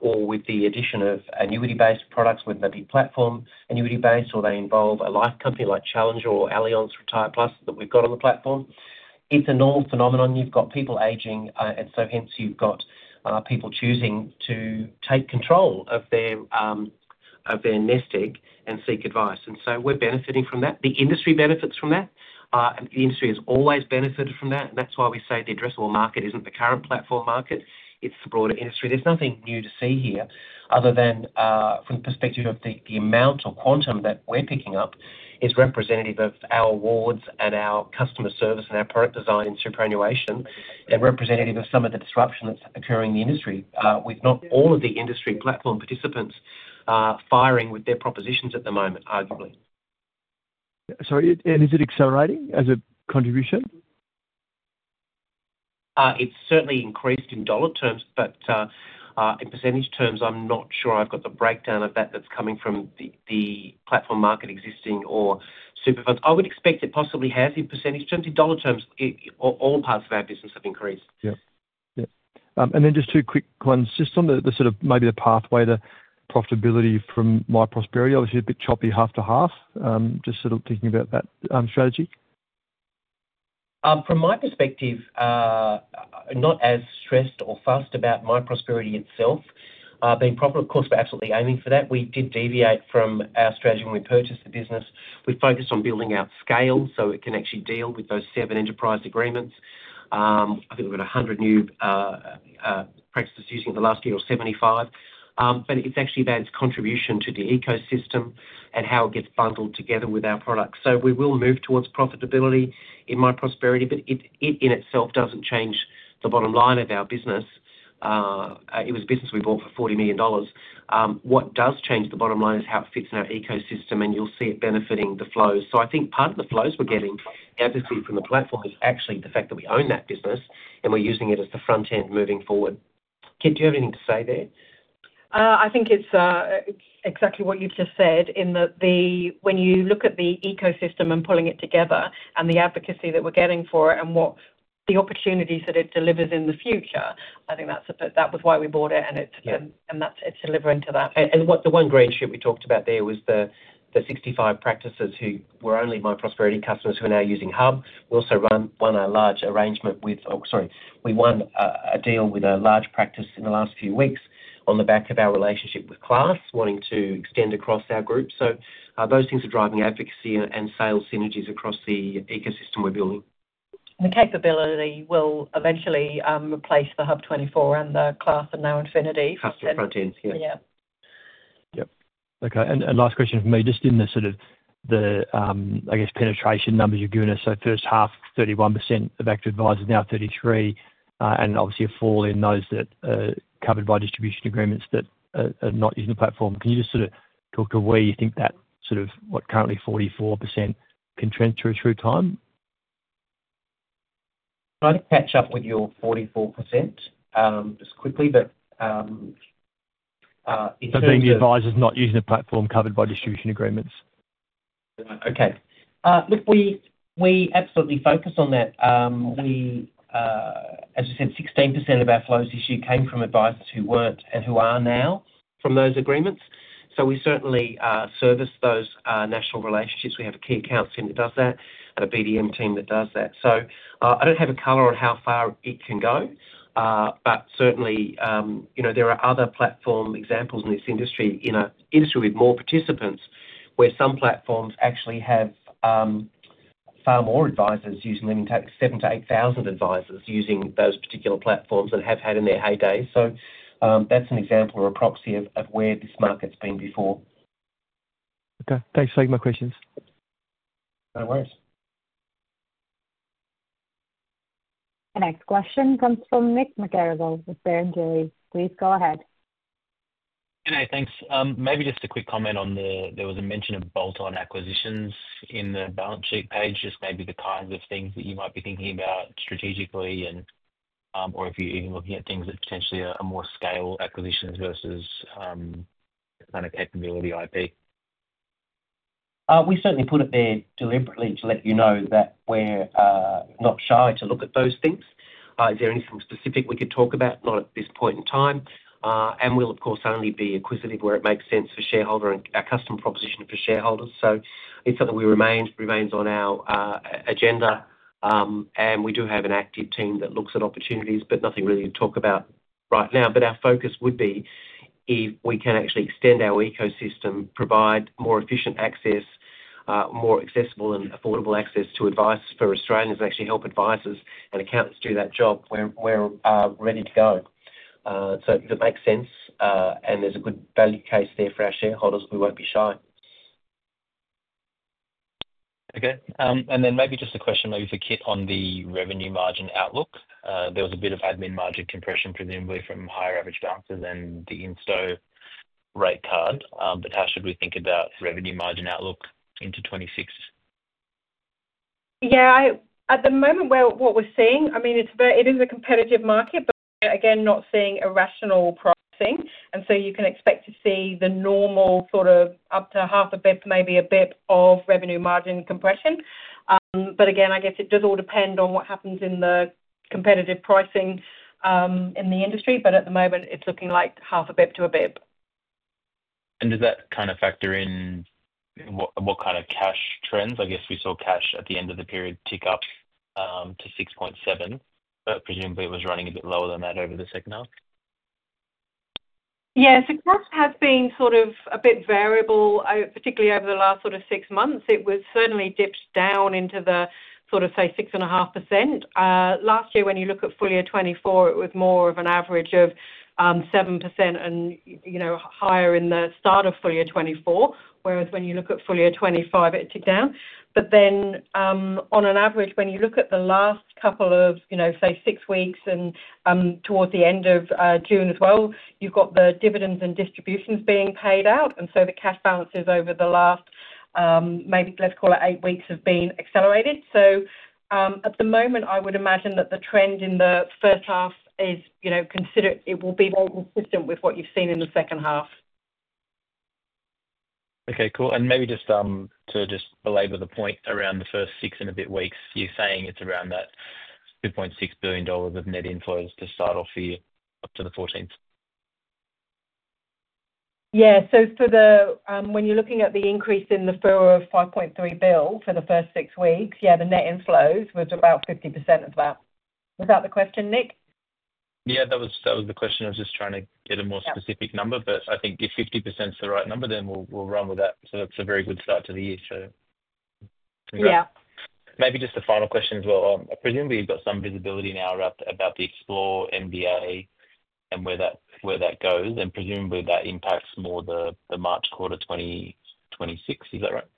or with the addition of annuity-based products with maybe platform annuity-based or they involve a life company like Challenger or Allianz Retire+ that we've got on the platform. It's a normal phenomenon. You've got people aging, so you've got people choosing to take control of their nest egg and seek advice. We're benefiting from that. The industry benefits from that. The industry has always benefited from that. That's why we say the addressable market isn't the current platform market. It's the broader industry. There's nothing new to see here other than from the perspective of the amount or quantum that we're picking up is representative of our awards and our customer service and our product design in superannuation and representative of some of the disruption that's occurring in the industry with not all of the industry platform participants firing with their propositions at the moment, arguably. Is it accelerating as a contribution? It's certainly increased in dollar terms. In percentage terms, I'm not sure I've got the breakdown of that that's coming from the platform market existing or super funds. I would expect it possibly has in percentage terms. In dollar terms, all parts of our business have increased. Yep. Yep. Just two quick ones. Just on the sort of maybe the pathway to profitability from myprosperity, obviously a bit choppy half to half. Just sort of thinking about that strategy. From my perspective, not as stressed or fussed about myprosperity itself being profitable. Of course, we're absolutely aiming for that. We did deviate from our strategy when we purchased the business. We focused on building out scale so it can actually deal with those seven enterprise agreements. I think we've got 100 new practices using it for the last year or 75. It's actually about its contribution to the ecosystem and how it gets bundled together with our products. We will move towards profitability in myprosperity. It in itself doesn't change the bottom line of our business. It was a business we bought for 40 million dollars. What does change the bottom line is how it fits in our ecosystem. You'll see it benefiting the flows. I think part of the flows we're getting advocacy from the platform is actually the fact that we own that business and we're using it as the front end moving forward. Kit, do you have anything to say there? I think it's exactly what you've just said in that when you look at the ecosystem and pulling it together, the advocacy that we're getting for it, and what the opportunities that it delivers in the future, I think that was why we bought it. It's delivering to that. The one great issue we talked about there was the 65 practices who were only myprosperity customers who are now using HUB. We also won a deal with a large practice in the last few weeks on the back of our relationship with Class, wanting to extend across our group. Those things are driving advocacy and sales synergies across the ecosystem we're building. The capability will eventually replace HUB24, Class, and NowInfinity. That's the front end, yeah. OK. Last question from me, just in the sort of the, I guess, penetration numbers you're giving us. First half, 31% of active advisors, now 33%, and obviously a fall in those that are covered by distribution agreements that are not using the platform. Can you just sort of talk to where you think that sort of what currently 44% can trend through time? Try to catch up with your 44% as quickly. The advisors not using the platform are covered by distribution agreements. OK. Look, we absolutely focus on that. As I said, 16% of our flows this year came from advisors who weren't and who are now from those agreements. We certainly service those national relationships. We have a key account team that does that and a BDM team that does that. I don't have a color on how far it can go. Certainly, there are other platform examples in this industry, in an industry with more participants where some platforms actually have far more advisors using them, in fact, 7,000-8,000 advisors using those particular platforms that have had in their heyday. That's an example or a proxy of where this market's been before. OK, thanks for taking my questions. No worries. The next question comes from Nick McGarrigle with Barrenjoey. Please go ahead. Hey, thanks. Maybe just a quick comment on the, there was a mention of bolt-on acquisitions in the balance sheet page, just maybe the kinds of things that you might be thinking about strategically and or if you're even looking at things that potentially are more scale acquisitions versus the kind of capability IP. We certainly put it there deliberately to let you know that we're not shy to look at those things. If there are anything specific we could talk about, not at this point in time. We'll, of course, only be inquisitive where it makes sense for shareholder and our customer proposition for shareholders. It's something that remains on our agenda. We do have an active team that looks at opportunities, but nothing really to talk about right now. Our focus would be if we can actually extend our ecosystem, provide more efficient access, more accessible and affordable access to advice for Australians and actually help advisors and accountants do that job, we're ready to go. It makes sense. There's a good value case there for our shareholders. We won't be shy. OK. Maybe just a question for Kit on the revenue margin outlook. There was a bit of admin margin compression, presumably from higher average balances and the in-store rate card. How should we think about revenue margin outlook into 2026? At the moment, what we're seeing, I mean, it is a competitive market, but again, not seeing irrational pricing. You can expect to see the normal sort of up to 0.5 basis point, maybe 1 basis point of revenue margin compression. I guess it does all depend on what happens in the competitive pricing in the industry. At the moment, it's looking like 0.5 basis point to 1 basis point. Does that kind of factor in what kind of cash trends? I guess we saw cash at the end of the period tick up to 6.7%. Presumably, it was running a bit lower than that over the second half. Yeah, so cash has been sort of a bit variable, particularly over the last sort of six months. It certainly dipped down into the sort of, say, 6.5%. Last year, when you look at full year 2024, it was more of an average of 7%, and, you know, higher in the start of full year 2024, whereas when you look at full year 2025, it ticked down. On an average, when you look at the last couple of, you know, say, six weeks and towards the end of June as well, you've got the dividends and distributions being paid out. The cash balances over the last, maybe let's call it eight weeks, have been accelerated. At the moment, I would imagine that the trend in the first half is, you know, consider it will be more consistent with what you've seen in the second half. OK, cool. Just to belabor the point around the first six and a bit weeks, you're saying it's around that 2.6 billion dollars of net inflows to start off for you up to the 14th. Yeah, when you're looking at the increase in the FUA of 5.3 billion for the first six weeks, the net inflows was about 50% of that. Was that the question, Nick? That was the question. I was just trying to get a more specific number. If 50% is the right number, then we'll run with that. That's a very good start to the year. Yeah. Maybe just a final question as well. Presumably, you've got some visibility now about the Xplore MDA and where that goes. Presumably, that impacts more the March quarter 2026. Is that right?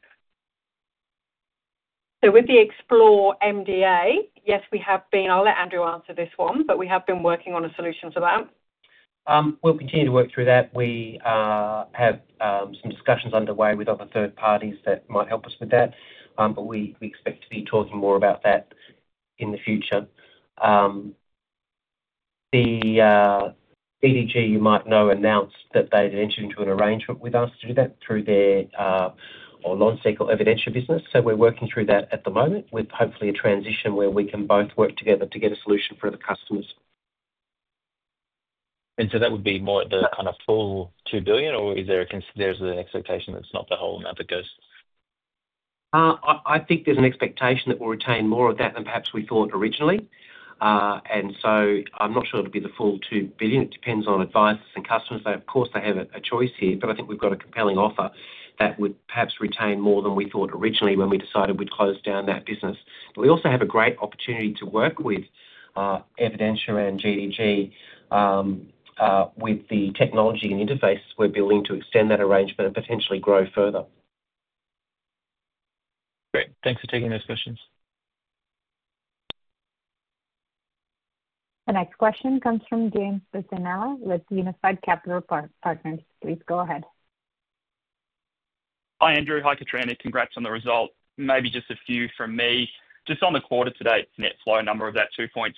With the Xplore MDA, yes, we have been working on a solution for that. I'll let Andrew answer this one. will continue to work through that. We have some discussions underway with other third parties that might help us with that. We expect to be talking more about that in the future. GDG, you might know, announced that they had entered into an arrangement with us to do that through their launch cycle Evidentia business. We are working through that at the moment with hopefully a transition where we can both work together to get a solution for the customers. Would that be more the kind of full 2 billion, or is there an expectation that's not the whole amount that goes? I think there's an expectation that we'll retain more of that than perhaps we thought originally. I'm not sure it'll be the full 2 billion. It depends on advice and customers. Of course, they have a choice here. I think we've got a compelling offer that would perhaps retain more than we thought originally when we decided we'd close down that business. We also have a great opportunity to work with Evidentia and GDG with the technology and interface we're building to extend that arrangement and potentially grow further. Great. Thanks for taking those questions. The next question comes from James Bisinella with Unified Capital Partners. Please go ahead. Hi, Andrew. Hi, Kitrina. Congrats on the result. Maybe just a few from me. Just on the quarter-to-date net flow number of that 2.6 billion,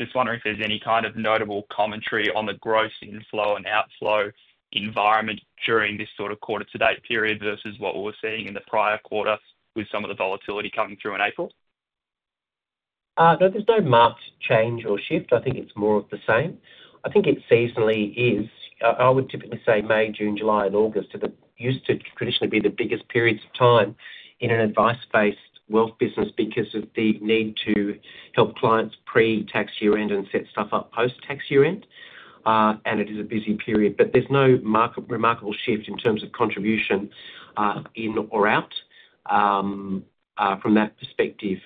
just wondering if there's any kind of notable commentary on the gross inflow and outflow environment during this sort of quarter-to-date period versus what we were seeing in the prior quarter with some of the volatility coming through in April. There's not much change or shift. I think it's more of the same. I think it seasonally is. I would typically say May, June, July, and August used to traditionally be the biggest periods of time in an advice-based wealth business because of the need to help clients pre-tax year end and set stuff up post-tax year end. It is a busy period. There's no remarkable shift in terms of contribution in or out from that perspective,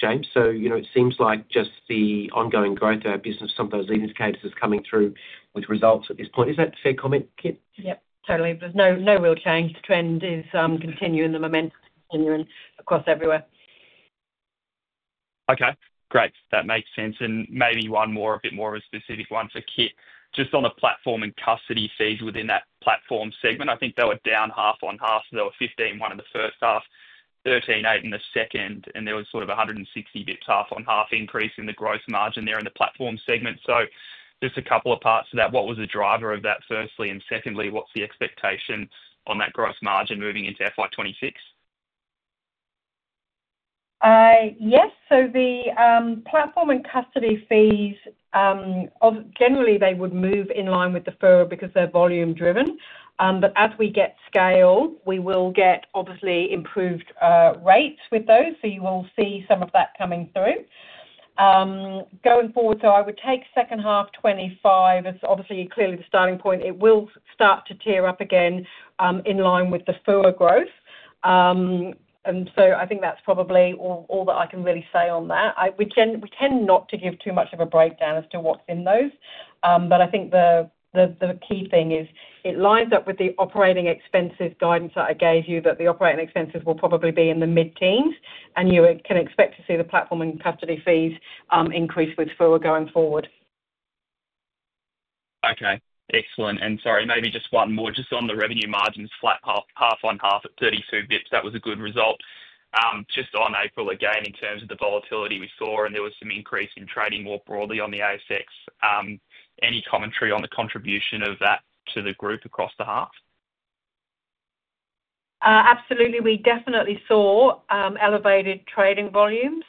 James. It seems like just the ongoing growth of our business, some of those leading indicators coming through with results at this point. Is that a fair comment, Kit? Yep, totally. There's no real change. The trend is continuing, and the momentum is continuing across everywhere. OK, great. That makes sense. Maybe one more, a bit more of a specific one for Kit. Just on platform and custody fees within that platform segment, I think they were down half on half. They were 15% in the first half, 13.8% in the second. There was sort of a 160 basis points half on half increase in the gross margin there in the platform segment. Just a couple of parts to that. What was the driver of that firstly? Secondly, what's the expectation on that gross margin moving into FY 2026? Yes, the platform and custody fees, generally, would move in line with the FUA because they're volume-driven. As we get scale, we will get obviously improved rates with those. You will see some of that coming through going forward. I would take second half 2025 as clearly the starting point. It will start to tier up again in line with the FUA growth. I think that's probably all that I can really say on that. We tend not to give too much of a breakdown as to what's in those. I think the key thing is it lines up with the operating expenses guidance that I gave you, that the operating expenses will probably be in the mid-teens. You can expect to see the platform and custody fees increase with FUA going forward. OK, excellent. Sorry, maybe just one more. Just on the revenue margins, flat half on half at 32 basis points, that was a good result. Just on April again, in terms of the volatility we saw, and there was some increase in trading more broadly on the ASX. Any commentary on the contribution of that to the group across the half? Absolutely. We definitely saw elevated trading volumes.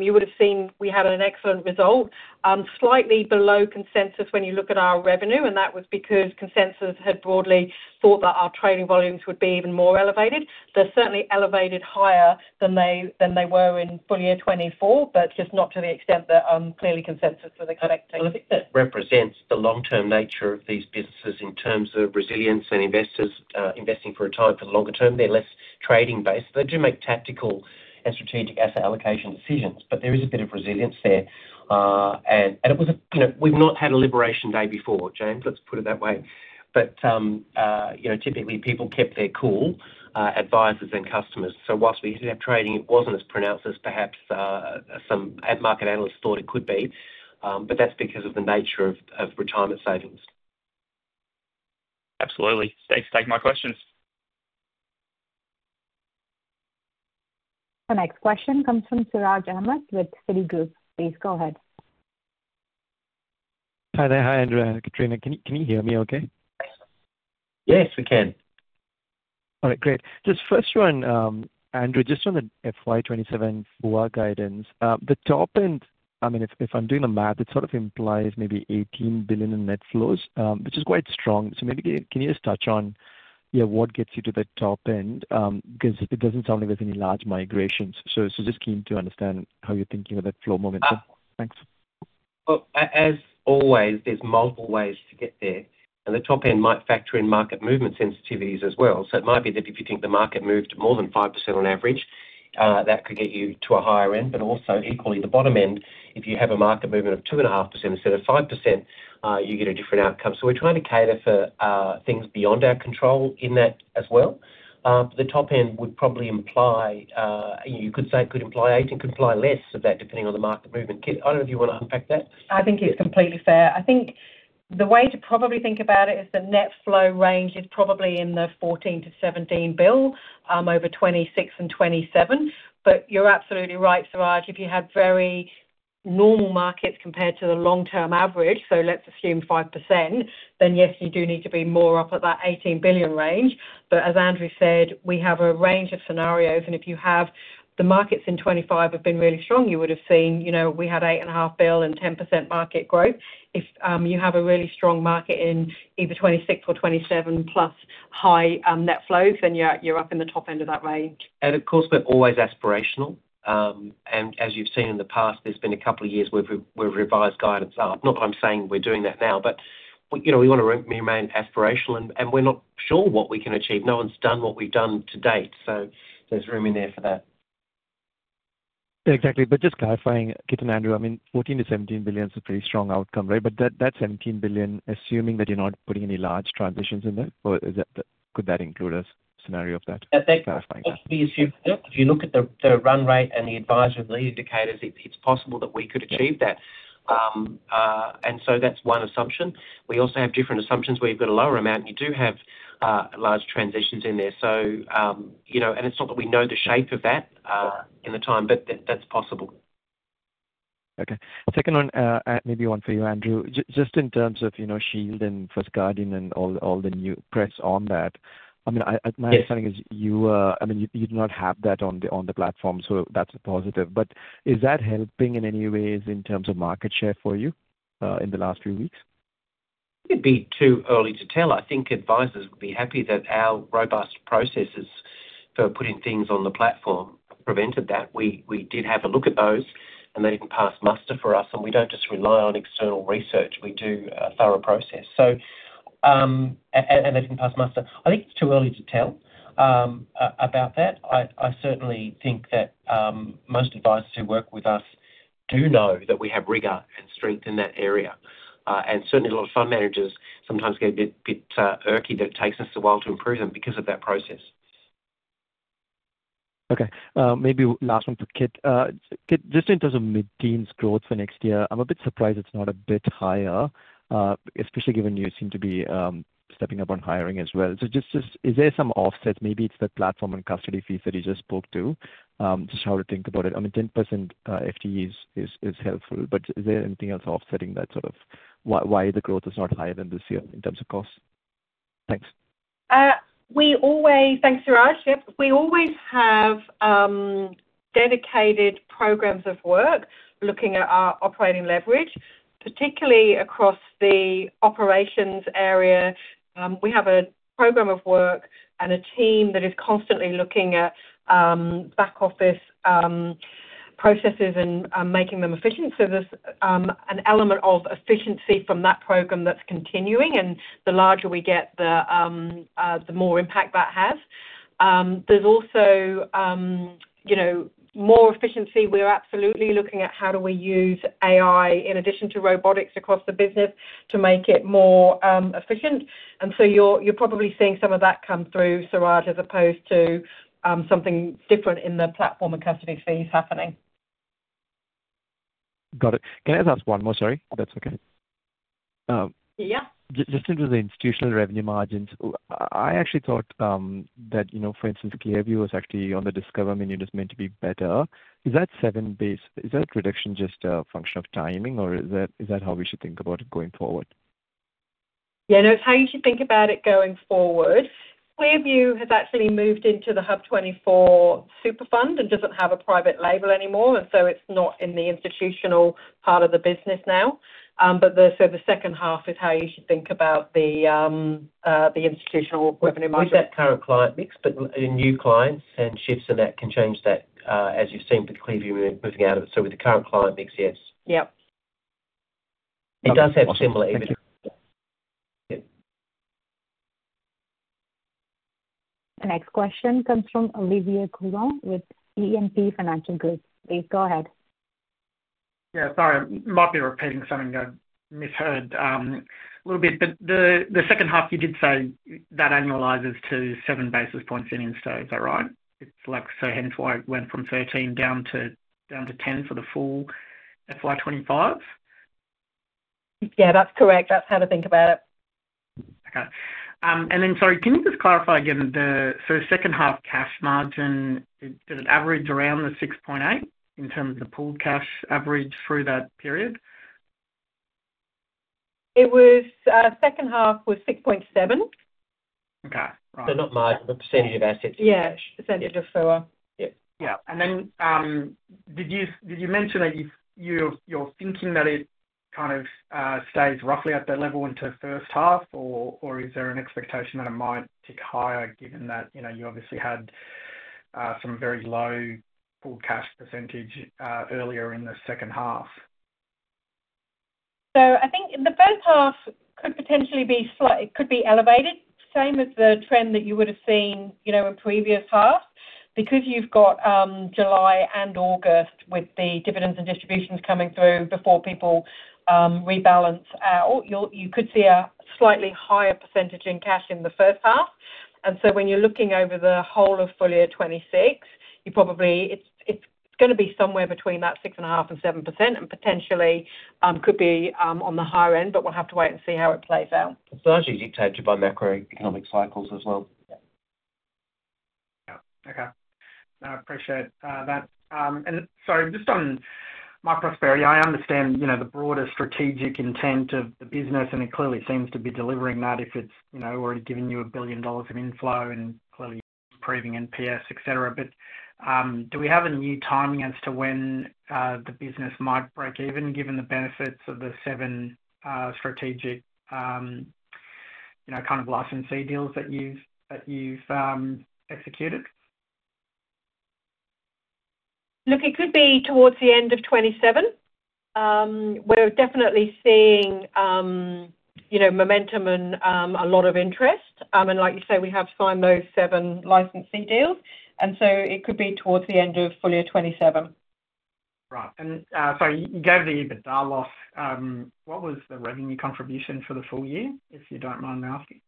You would have seen we had an excellent result, slightly below consensus when you look at our revenue. That was because consensus had broadly thought that our trading volumes would be even more elevated. They're certainly elevated higher than they were in full year 2024, just not to the extent that clearly consensus was the correct take on it. Represents the long-term nature of these businesses in terms of resilience and investors investing for a tighter, longer term. They're less trading-based. They do make tactical and strategic asset allocation decisions. There is a bit of resilience there. It was a, you know, we've not had a liberation day before, James, let's put it that way. Typically, people kept their cool, advisors and customers. Whilst we used to have trading, it wasn't as pronounced as perhaps some market analysts thought it could be. That's because of the nature of retirement savings. Absolutely. Thanks for taking my questions. The next question comes from Siraj Ahmed with Citigroup. Please go ahead. Hi there. Hi, Andrew. Kitrina, can you hear me OK? Yes, we can. All right, great. Just first one, Andrew. Just on the FY 2027 FUA guidance, the top end, I mean, if I'm doing the math, it sort of implies maybe 18 billion in net flows, which is quite strong. Maybe can you just touch on what gets you to the top end? It doesn't sound like there's any large migrations. Just keen to understand how you're thinking of that flow momentum. Thanks. There are multiple ways to get there. The top end might factor in market movement sensitivities as well. It might be that if you think the market moved more than 5% on average, that could get you to a higher end. Equally, the bottom end, if you have a market movement of 2.5% instead of 5%, you get a different outcome. We're trying to cater for things beyond our control in that as well. The top end would probably imply, you could say it could imply 8%. It could imply less of that depending on the market movement. Kit, I don't know if you want to unpack that. I think it's completely fair. I think the way to probably think about it is the net flow range is probably in the 14 billion-17 billion over 2026 and 2027. You're absolutely right, Siraj. If you had very normal markets compared to the long-term average, let's assume 5%, then yes, you do need to be more up at that 18 billion range. As Andrew said, we have a range of scenarios. If you have the markets in 2025 have been really strong, you would have seen, you know, we had 8.5 billion and 10% market growth. If you have a really strong market in either 2026 or 2027 plus high net flows, then you're up in the top end of that range. Of course, we're always aspirational. As you've seen in the past, there's been a couple of years where we've revised guidance up. Not that I'm saying we're doing that now, but you know, we want to remain aspirational. We're not sure what we can achieve. No one's done what we've done to date, so there's room in there for that. Yeah, exactly. Just clarifying, Kit and Andrew, I mean, 14 billion-17 billion is a pretty strong outcome, right? That 17 billion, assuming that you're not putting any large transitions in there, could that include a scenario of that? If you look at the run rate and the advisor lead indicators, it's possible that we could achieve that. That's one assumption. We also have different assumptions where you've got a lower amount and you do have large transitions in there. It's not that we know the shape of that in the time, but that's possible. OK. Second one, maybe one for you, Andrew. Just in terms of, you know, Shield and First Guardian and all the new press on that, my understanding is you do not have that on the platform. That's a positive. Is that helping in any ways in terms of market share for you in the last few weeks? It's too early to tell. I think advisors would be happy that our robust processes for putting things on the platform prevented that. We did have a look at those, and they didn't pass muster for us. We don't just rely on external research. We do a thorough process, and they didn't pass muster. I think it's too early to tell about that. I certainly think that most advisors who work with us do know that we have rigor and strength in that area. A lot of fund managers sometimes get a bit irky that it takes us a while to approve them because of that process. OK. Maybe last one for Kit. Just in terms of mid-teens growth for next year, I'm a bit surprised it's not a bit higher, especially given you seem to be stepping up on hiring as well. Is there some offset? Maybe it's the platform and custody fees that you just spoke to. Just how to think about it. I mean, 10% FTE is helpful. Is there anything else offsetting that sort of why the growth is not higher than this year in terms of cost? Thanks. We always, thanks, Siraj. Yep. We always have dedicated programs of work looking at our operating leverage, particularly across the operations area. We have a program of work and a team that is constantly looking at back-office processes and making them efficient. There's an element of efficiency from that program that's continuing, and the larger we get, the more impact that has. There's also more efficiency. We're absolutely looking at how do we use AI in addition to robotics across the business to make it more efficient. You're probably seeing some of that come through, Siraj, as opposed to something different in the platform and custody fees happening. Got it. Can I just ask one more? Sorry, that's OK. Yeah. Just in terms of the institutional revenue margins, I actually thought that, you know, for instance, ClearView was actually on the discover menu. It was meant to be better. Is that 7 basis points? Is that reduction just a function of timing? Or is that how we should think about it going forward? Yeah, no, it's how you should think about it going forward. ClearView has actually moved into the HUB24 super fund and doesn't have a private label anymore. It's not in the institutional part of the business now. The second half is how you should think about the institutional revenue margin. Is that current client mix? In new clients, shifts in that can change that, as you've seen with ClearView moving out of it. With the current client mix, yes. Yep. It does have similar impact. The next question comes from Olivia Coulon with E&P Financial Group. Please go ahead. Sorry, I might be repeating something I misheard a little bit. The second half, you did say that annualizes to 7 basis points in insto. Is that right? It's like, hence why it went from 13% down to 10% for the full FY 2025? Yeah, that's correct. That's how to think about it. OK, can you just clarify again the sort of second half cash margin? Did it average around the 6.8% in terms of the pooled cash average through that period? It was second half was 6.7 million. OK. Not margin, but percentage of assets. Yeah, percentage of FUA. Yeah. Did you mention that you're thinking that it kind of stays roughly at that level into the first half? Is there an expectation that it might tick higher given that you obviously had some very low pooled cash percentage earlier in the second half? I think the first half could potentially be slightly elevated, same as the trend that you would have seen in the previous half. Because you've got July and August with the dividends and distributions coming through before people rebalance out, you could see a slightly higher percentage in cash in the first half. When you're looking over the whole of full year 2026, you probably, it's going to be somewhere between that 6.5% and 7% and potentially could be on the higher end. We'll have to wait and see how it plays out. That's actually dictated by macroeconomic cycles as well. Yeah. OK. No, I appreciate that. Sorry, just on myprosperity, I understand, you know, the broader strategic intent of the business. It clearly seems to be delivering that if it's, you know, already giving you 1 billion dollars of inflow and clearly improving NPS, etc. Do we have a new timing as to when the business might break even, given the benefits of the seven strategic, you know, kind of licensee deals that you've executed? Look, it could be towards the end of 2027. We're definitely seeing, you know, momentum and a lot of interest. Like you say, we have signed those seven licensing deals, so it could be towards the end of full year 2027. Right. Sorry, you gave the EBITDA loss. What was the revenue contribution for the full year, if you don't mind asking?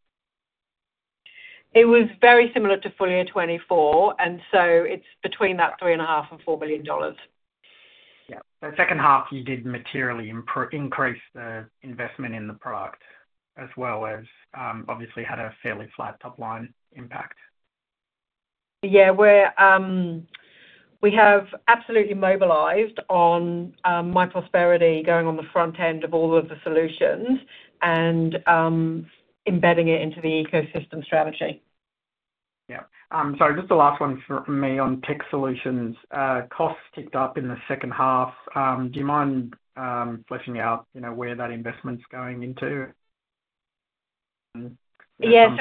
It was very similar to full year 2024. It's between 3.5 billion and 4 billion dollars. Yeah. Second half, you did materially increase the investment in the product, as well as obviously had a fairly flat top line impact. Yeah, we have absolutely mobilized on myprosperity going on the front end of all of the solutions and embedding it into the ecosystem strategy. Yeah. Just the last one from me on tech solutions. Costs ticked up in the second half. Do you mind fleshing out, you know, where that investment's going into? Within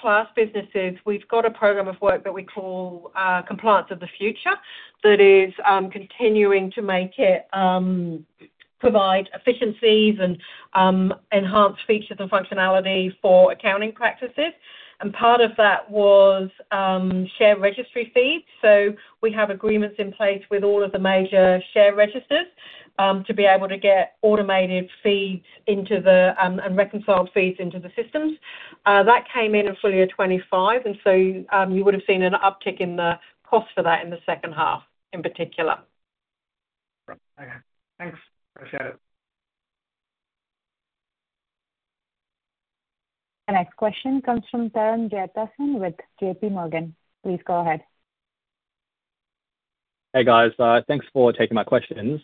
Class, we've got a program of work that we call Compliance of the Future that is continuing to make it provide efficiencies and enhance features and functionality for accounting practices. Part of that was share registry feeds. We have agreements in place with all of the major share registers to be able to get automated feeds and reconciled feeds into the systems. That came in in full year 2025, and you would have seen an uptick in the cost for that in the second half in particular. OK. Thanks. Appreciate it. The next question comes from Tharan Jeyathasan with JPMorgan. Please go ahead. Hey, guys. Thanks for taking my questions.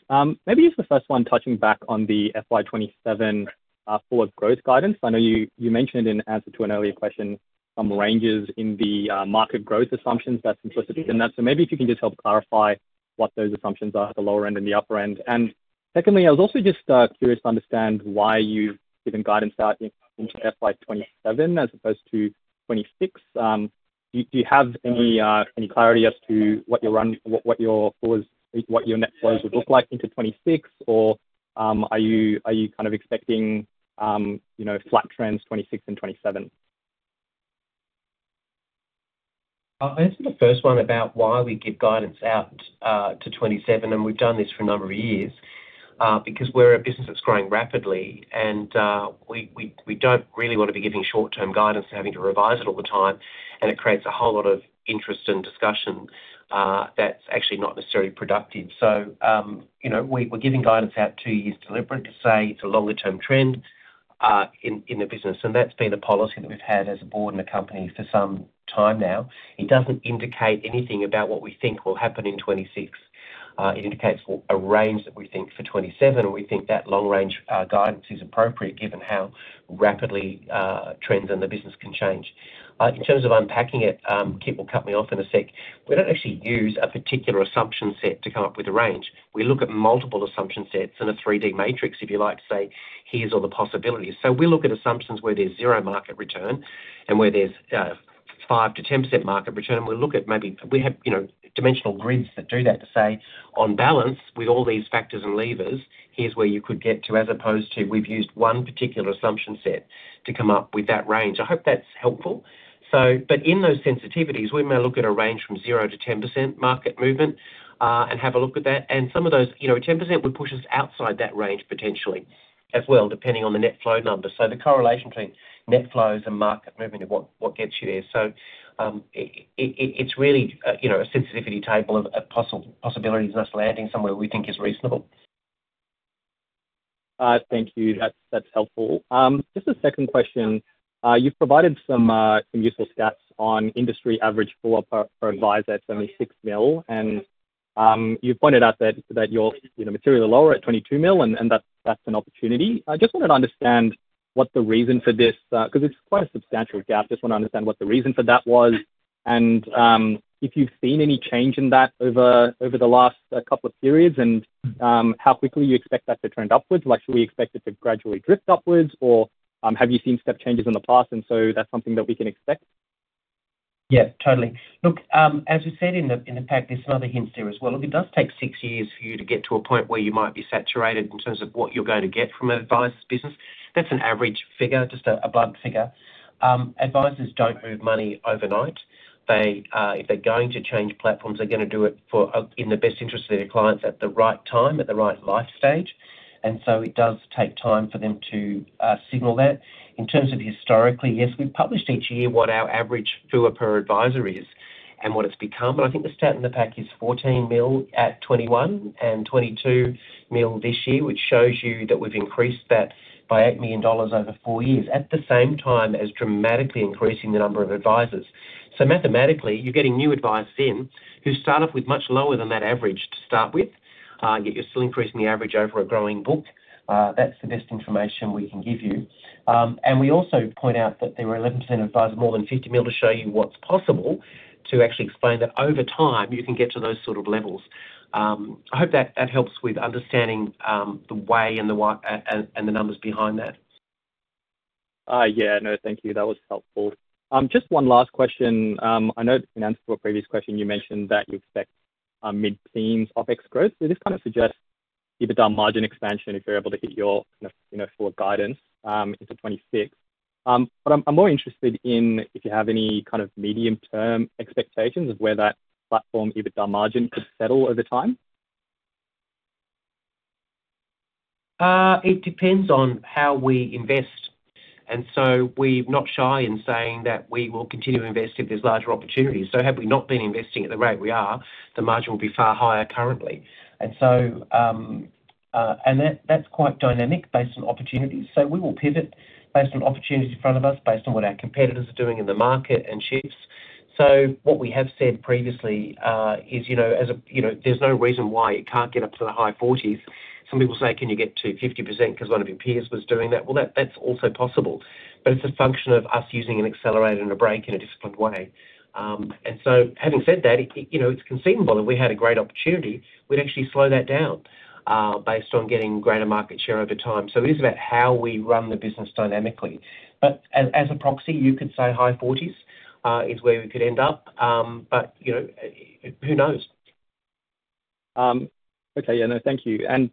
Maybe just the first one touching back on the FY 2027 FUA growth guidance. I know you mentioned in answer to an earlier question some ranges in the market growth assumptions that's implicit within that. Maybe if you can just help clarify what those assumptions are at the lower end and the upper end. Secondly, I was also just curious to understand why you've given guidance out into FY 2027 as opposed to 2026. Do you have any clarity as to what your net flows would look like into 2026? Are you kind of expecting, you know, flat trends 2026 and 2027? I answered the first one about why we give guidance out to 2027. We've done this for a number of years because we're a business that's growing rapidly. We don't really want to be giving short-term guidance and having to revise it all the time. It creates a whole lot of interest and discussion that's actually not necessarily productive. We're giving guidance out two years deliberately to say it's a longer-term trend in the business. That's been a policy that we've had as a board and a company for some time now. It doesn't indicate anything about what we think will happen in 2026. It indicates a range that we think for 2027, or we think that long-range guidance is appropriate given how rapidly trends in the business can change. In terms of unpacking it, Kit will cut me off in a sec. We don't actually use a particular assumption set to come up with a range. We look at multiple assumption sets and a 3D matrix, if you like, to say here's all the possibilities. We look at assumptions where there's zero market return and where there's 5%-10% market return. We look at maybe we had, you know, dimensional grids that do that to say on balance with all these factors and levers, here's where you could get to as opposed to we've used one particular assumption set to come up with that range. I hope that's helpful. In those sensitivities, we may look at a range from 0% to 10% market movement and have a look at that. Those, you know, 10% would push us outside that range potentially as well, depending on the net flow numbers. The correlation between net flows and market movement is what gets you there. It's really a sensitivity table of possibilities, us landing somewhere we think is reasonable. Thank you. That's helpful. Just a second question. You've provided some useful stats on industry average FUA per advisor at 76 million, and you pointed out that your materials are lower at 22 million, and that's an opportunity. I just wanted to understand what the reason for this is, because it's quite a substantial gap. I just want to understand what the reason for that was and if you've seen any change in that over the last couple of periods and how quickly you expect that to trend upwards. Like, should we expect it to gradually drift upwards, or have you seen step changes in the past and that's something that we can expect? Yeah, totally. Look, as we said in the pack, there's some other hints there as well. If it does take six years for you to get to a point where you might be saturated in terms of what you're going to get from an advisor's business, that's an average figure, just a blunt figure. Advisors don't move money overnight. If they're going to change platforms, they're going to do it in the best interests of their clients at the right time, at the right life stage. It does take time for them to signal that. In terms of historically, yes, we've published each year what our average filler per advisor is and what it's become. I think the stat in the pack is 14 million at 2021 and 22 million this year, which shows you that we've increased that by 8 million dollars over four years, at the same time as dramatically increasing the number of advisors. Mathematically, you're getting new advisors in who start off with much lower than that average to start with, yet you're still increasing the average over a growing book. That's the best information we can give you. We also point out that there were 11% of advisors more than 50 million to show you what's possible to actually explain that over time you can get to those sort of levels. I hope that helps with understanding the way and the numbers behind that. Thank you. That was helpful. Just one last question. I know in answer to a previous question, you mentioned that you expect mid-season OpEx growth. Does this kind of suggest EBITDA margin expansion if they're able to hit your sort of guidance into 2026? I'm more interested in if you have any kind of medium-term expectations of where that platform EBITDA margin could settle over time. It depends on how we invest. We're not shy in saying that we will continue to invest if there's larger opportunities. Had we not been investing at the rate we are, the margin would be far higher currently. That's quite dynamic based on opportunities. We will pivot based on opportunities in front of us, based on what our competitors are doing in the market and shifts. What we have said previously is, you know, there's no reason why you can't get up to the high 40s. Some people say, can you get to 50% because one of your peers was doing that? That's also possible. It's a function of us using an accelerator and a brake in a disciplined way. Having said that, you know, it's conceivable if we had a great opportunity, we'd actually slow that down based on getting greater market share over time. It is about how we run the business dynamically. As a proxy, you could say high 40s is where we could end up. You know, who knows? Thank you.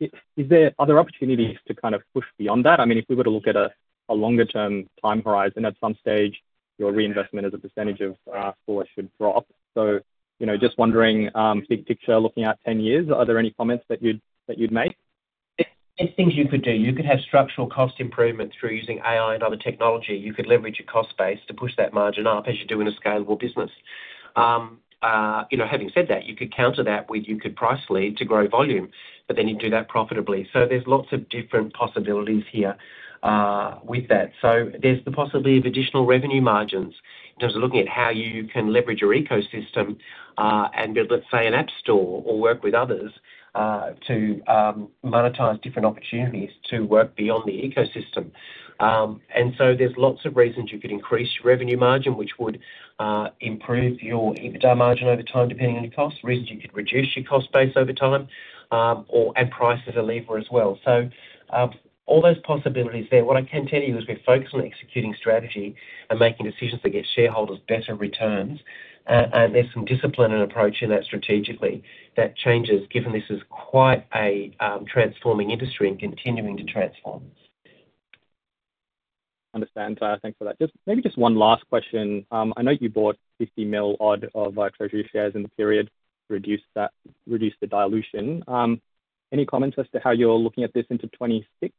Is there other opportunities to kind of push beyond that? If we were to look at a longer-term time horizon, at some stage, your reinvestment as a percentage of FUA should drop. Just wondering, big picture, looking out 10 years, are there any comments that you'd make? Things you could do, you could have structural cost improvements through using AI and other technology. You could leverage your cost base to push that margin up as you do in a scalable business. Having said that, you could counter that with you could price lead to grow volume, but then you'd do that profitably. There's lots of different possibilities here with that. There's the possibility of additional revenue margins in terms of looking at how you can leverage your ecosystem and build, let's say, an app store or work with others to monetize different opportunities to work beyond the ecosystem. There's lots of reasons you could increase your revenue margin, which would improve your EBITDA margin over time depending on your cost. Reasons you could reduce your cost base over time or add price to the lever as well. All those possibilities there. What I can tell you is we're focused on executing strategy and making decisions that get shareholders better returns. There's some discipline and approach in that strategically that changes given this is quite a transforming industry and continuing to transform. Understand. Thanks for that. Maybe just one last question. I know you bought 50 million odd of treasury shares in the period to reduce the dilution. Any comments as to how you're looking at this into 2026?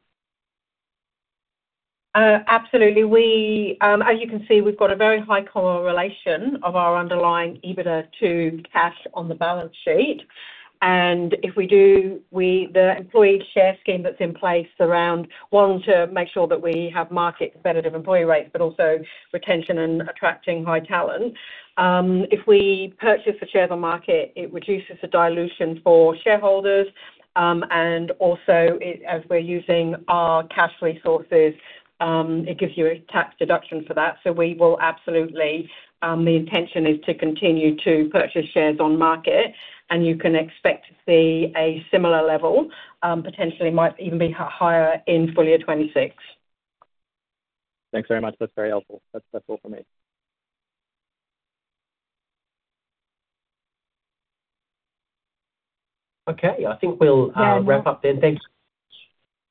Absolutely. As you can see, we've got a very high correlation of our underlying EBITDA to cash on the balance sheet. If we do the employee share scheme that's in place, one, to make sure that we have market competitive employee rates, but also retention and attracting high talent. If we purchase the shares on market, it reduces the dilution for shareholders. Also, as we're using our cash resources, it gives you a tax deduction for that. We will absolutely, the intention is to continue to purchase shares on market. You can expect to see a similar level, potentially might even be higher in full year 2026. Thanks very much. That's very helpful. That's all for me. Okay, I think we'll wrap up then. Thanks for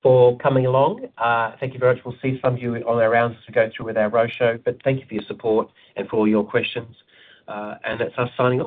coming along. Thank you very much. We'll see some of you on our rounds as we go through with our roadshow. Thank you for your support and for all your questions. It's our signing.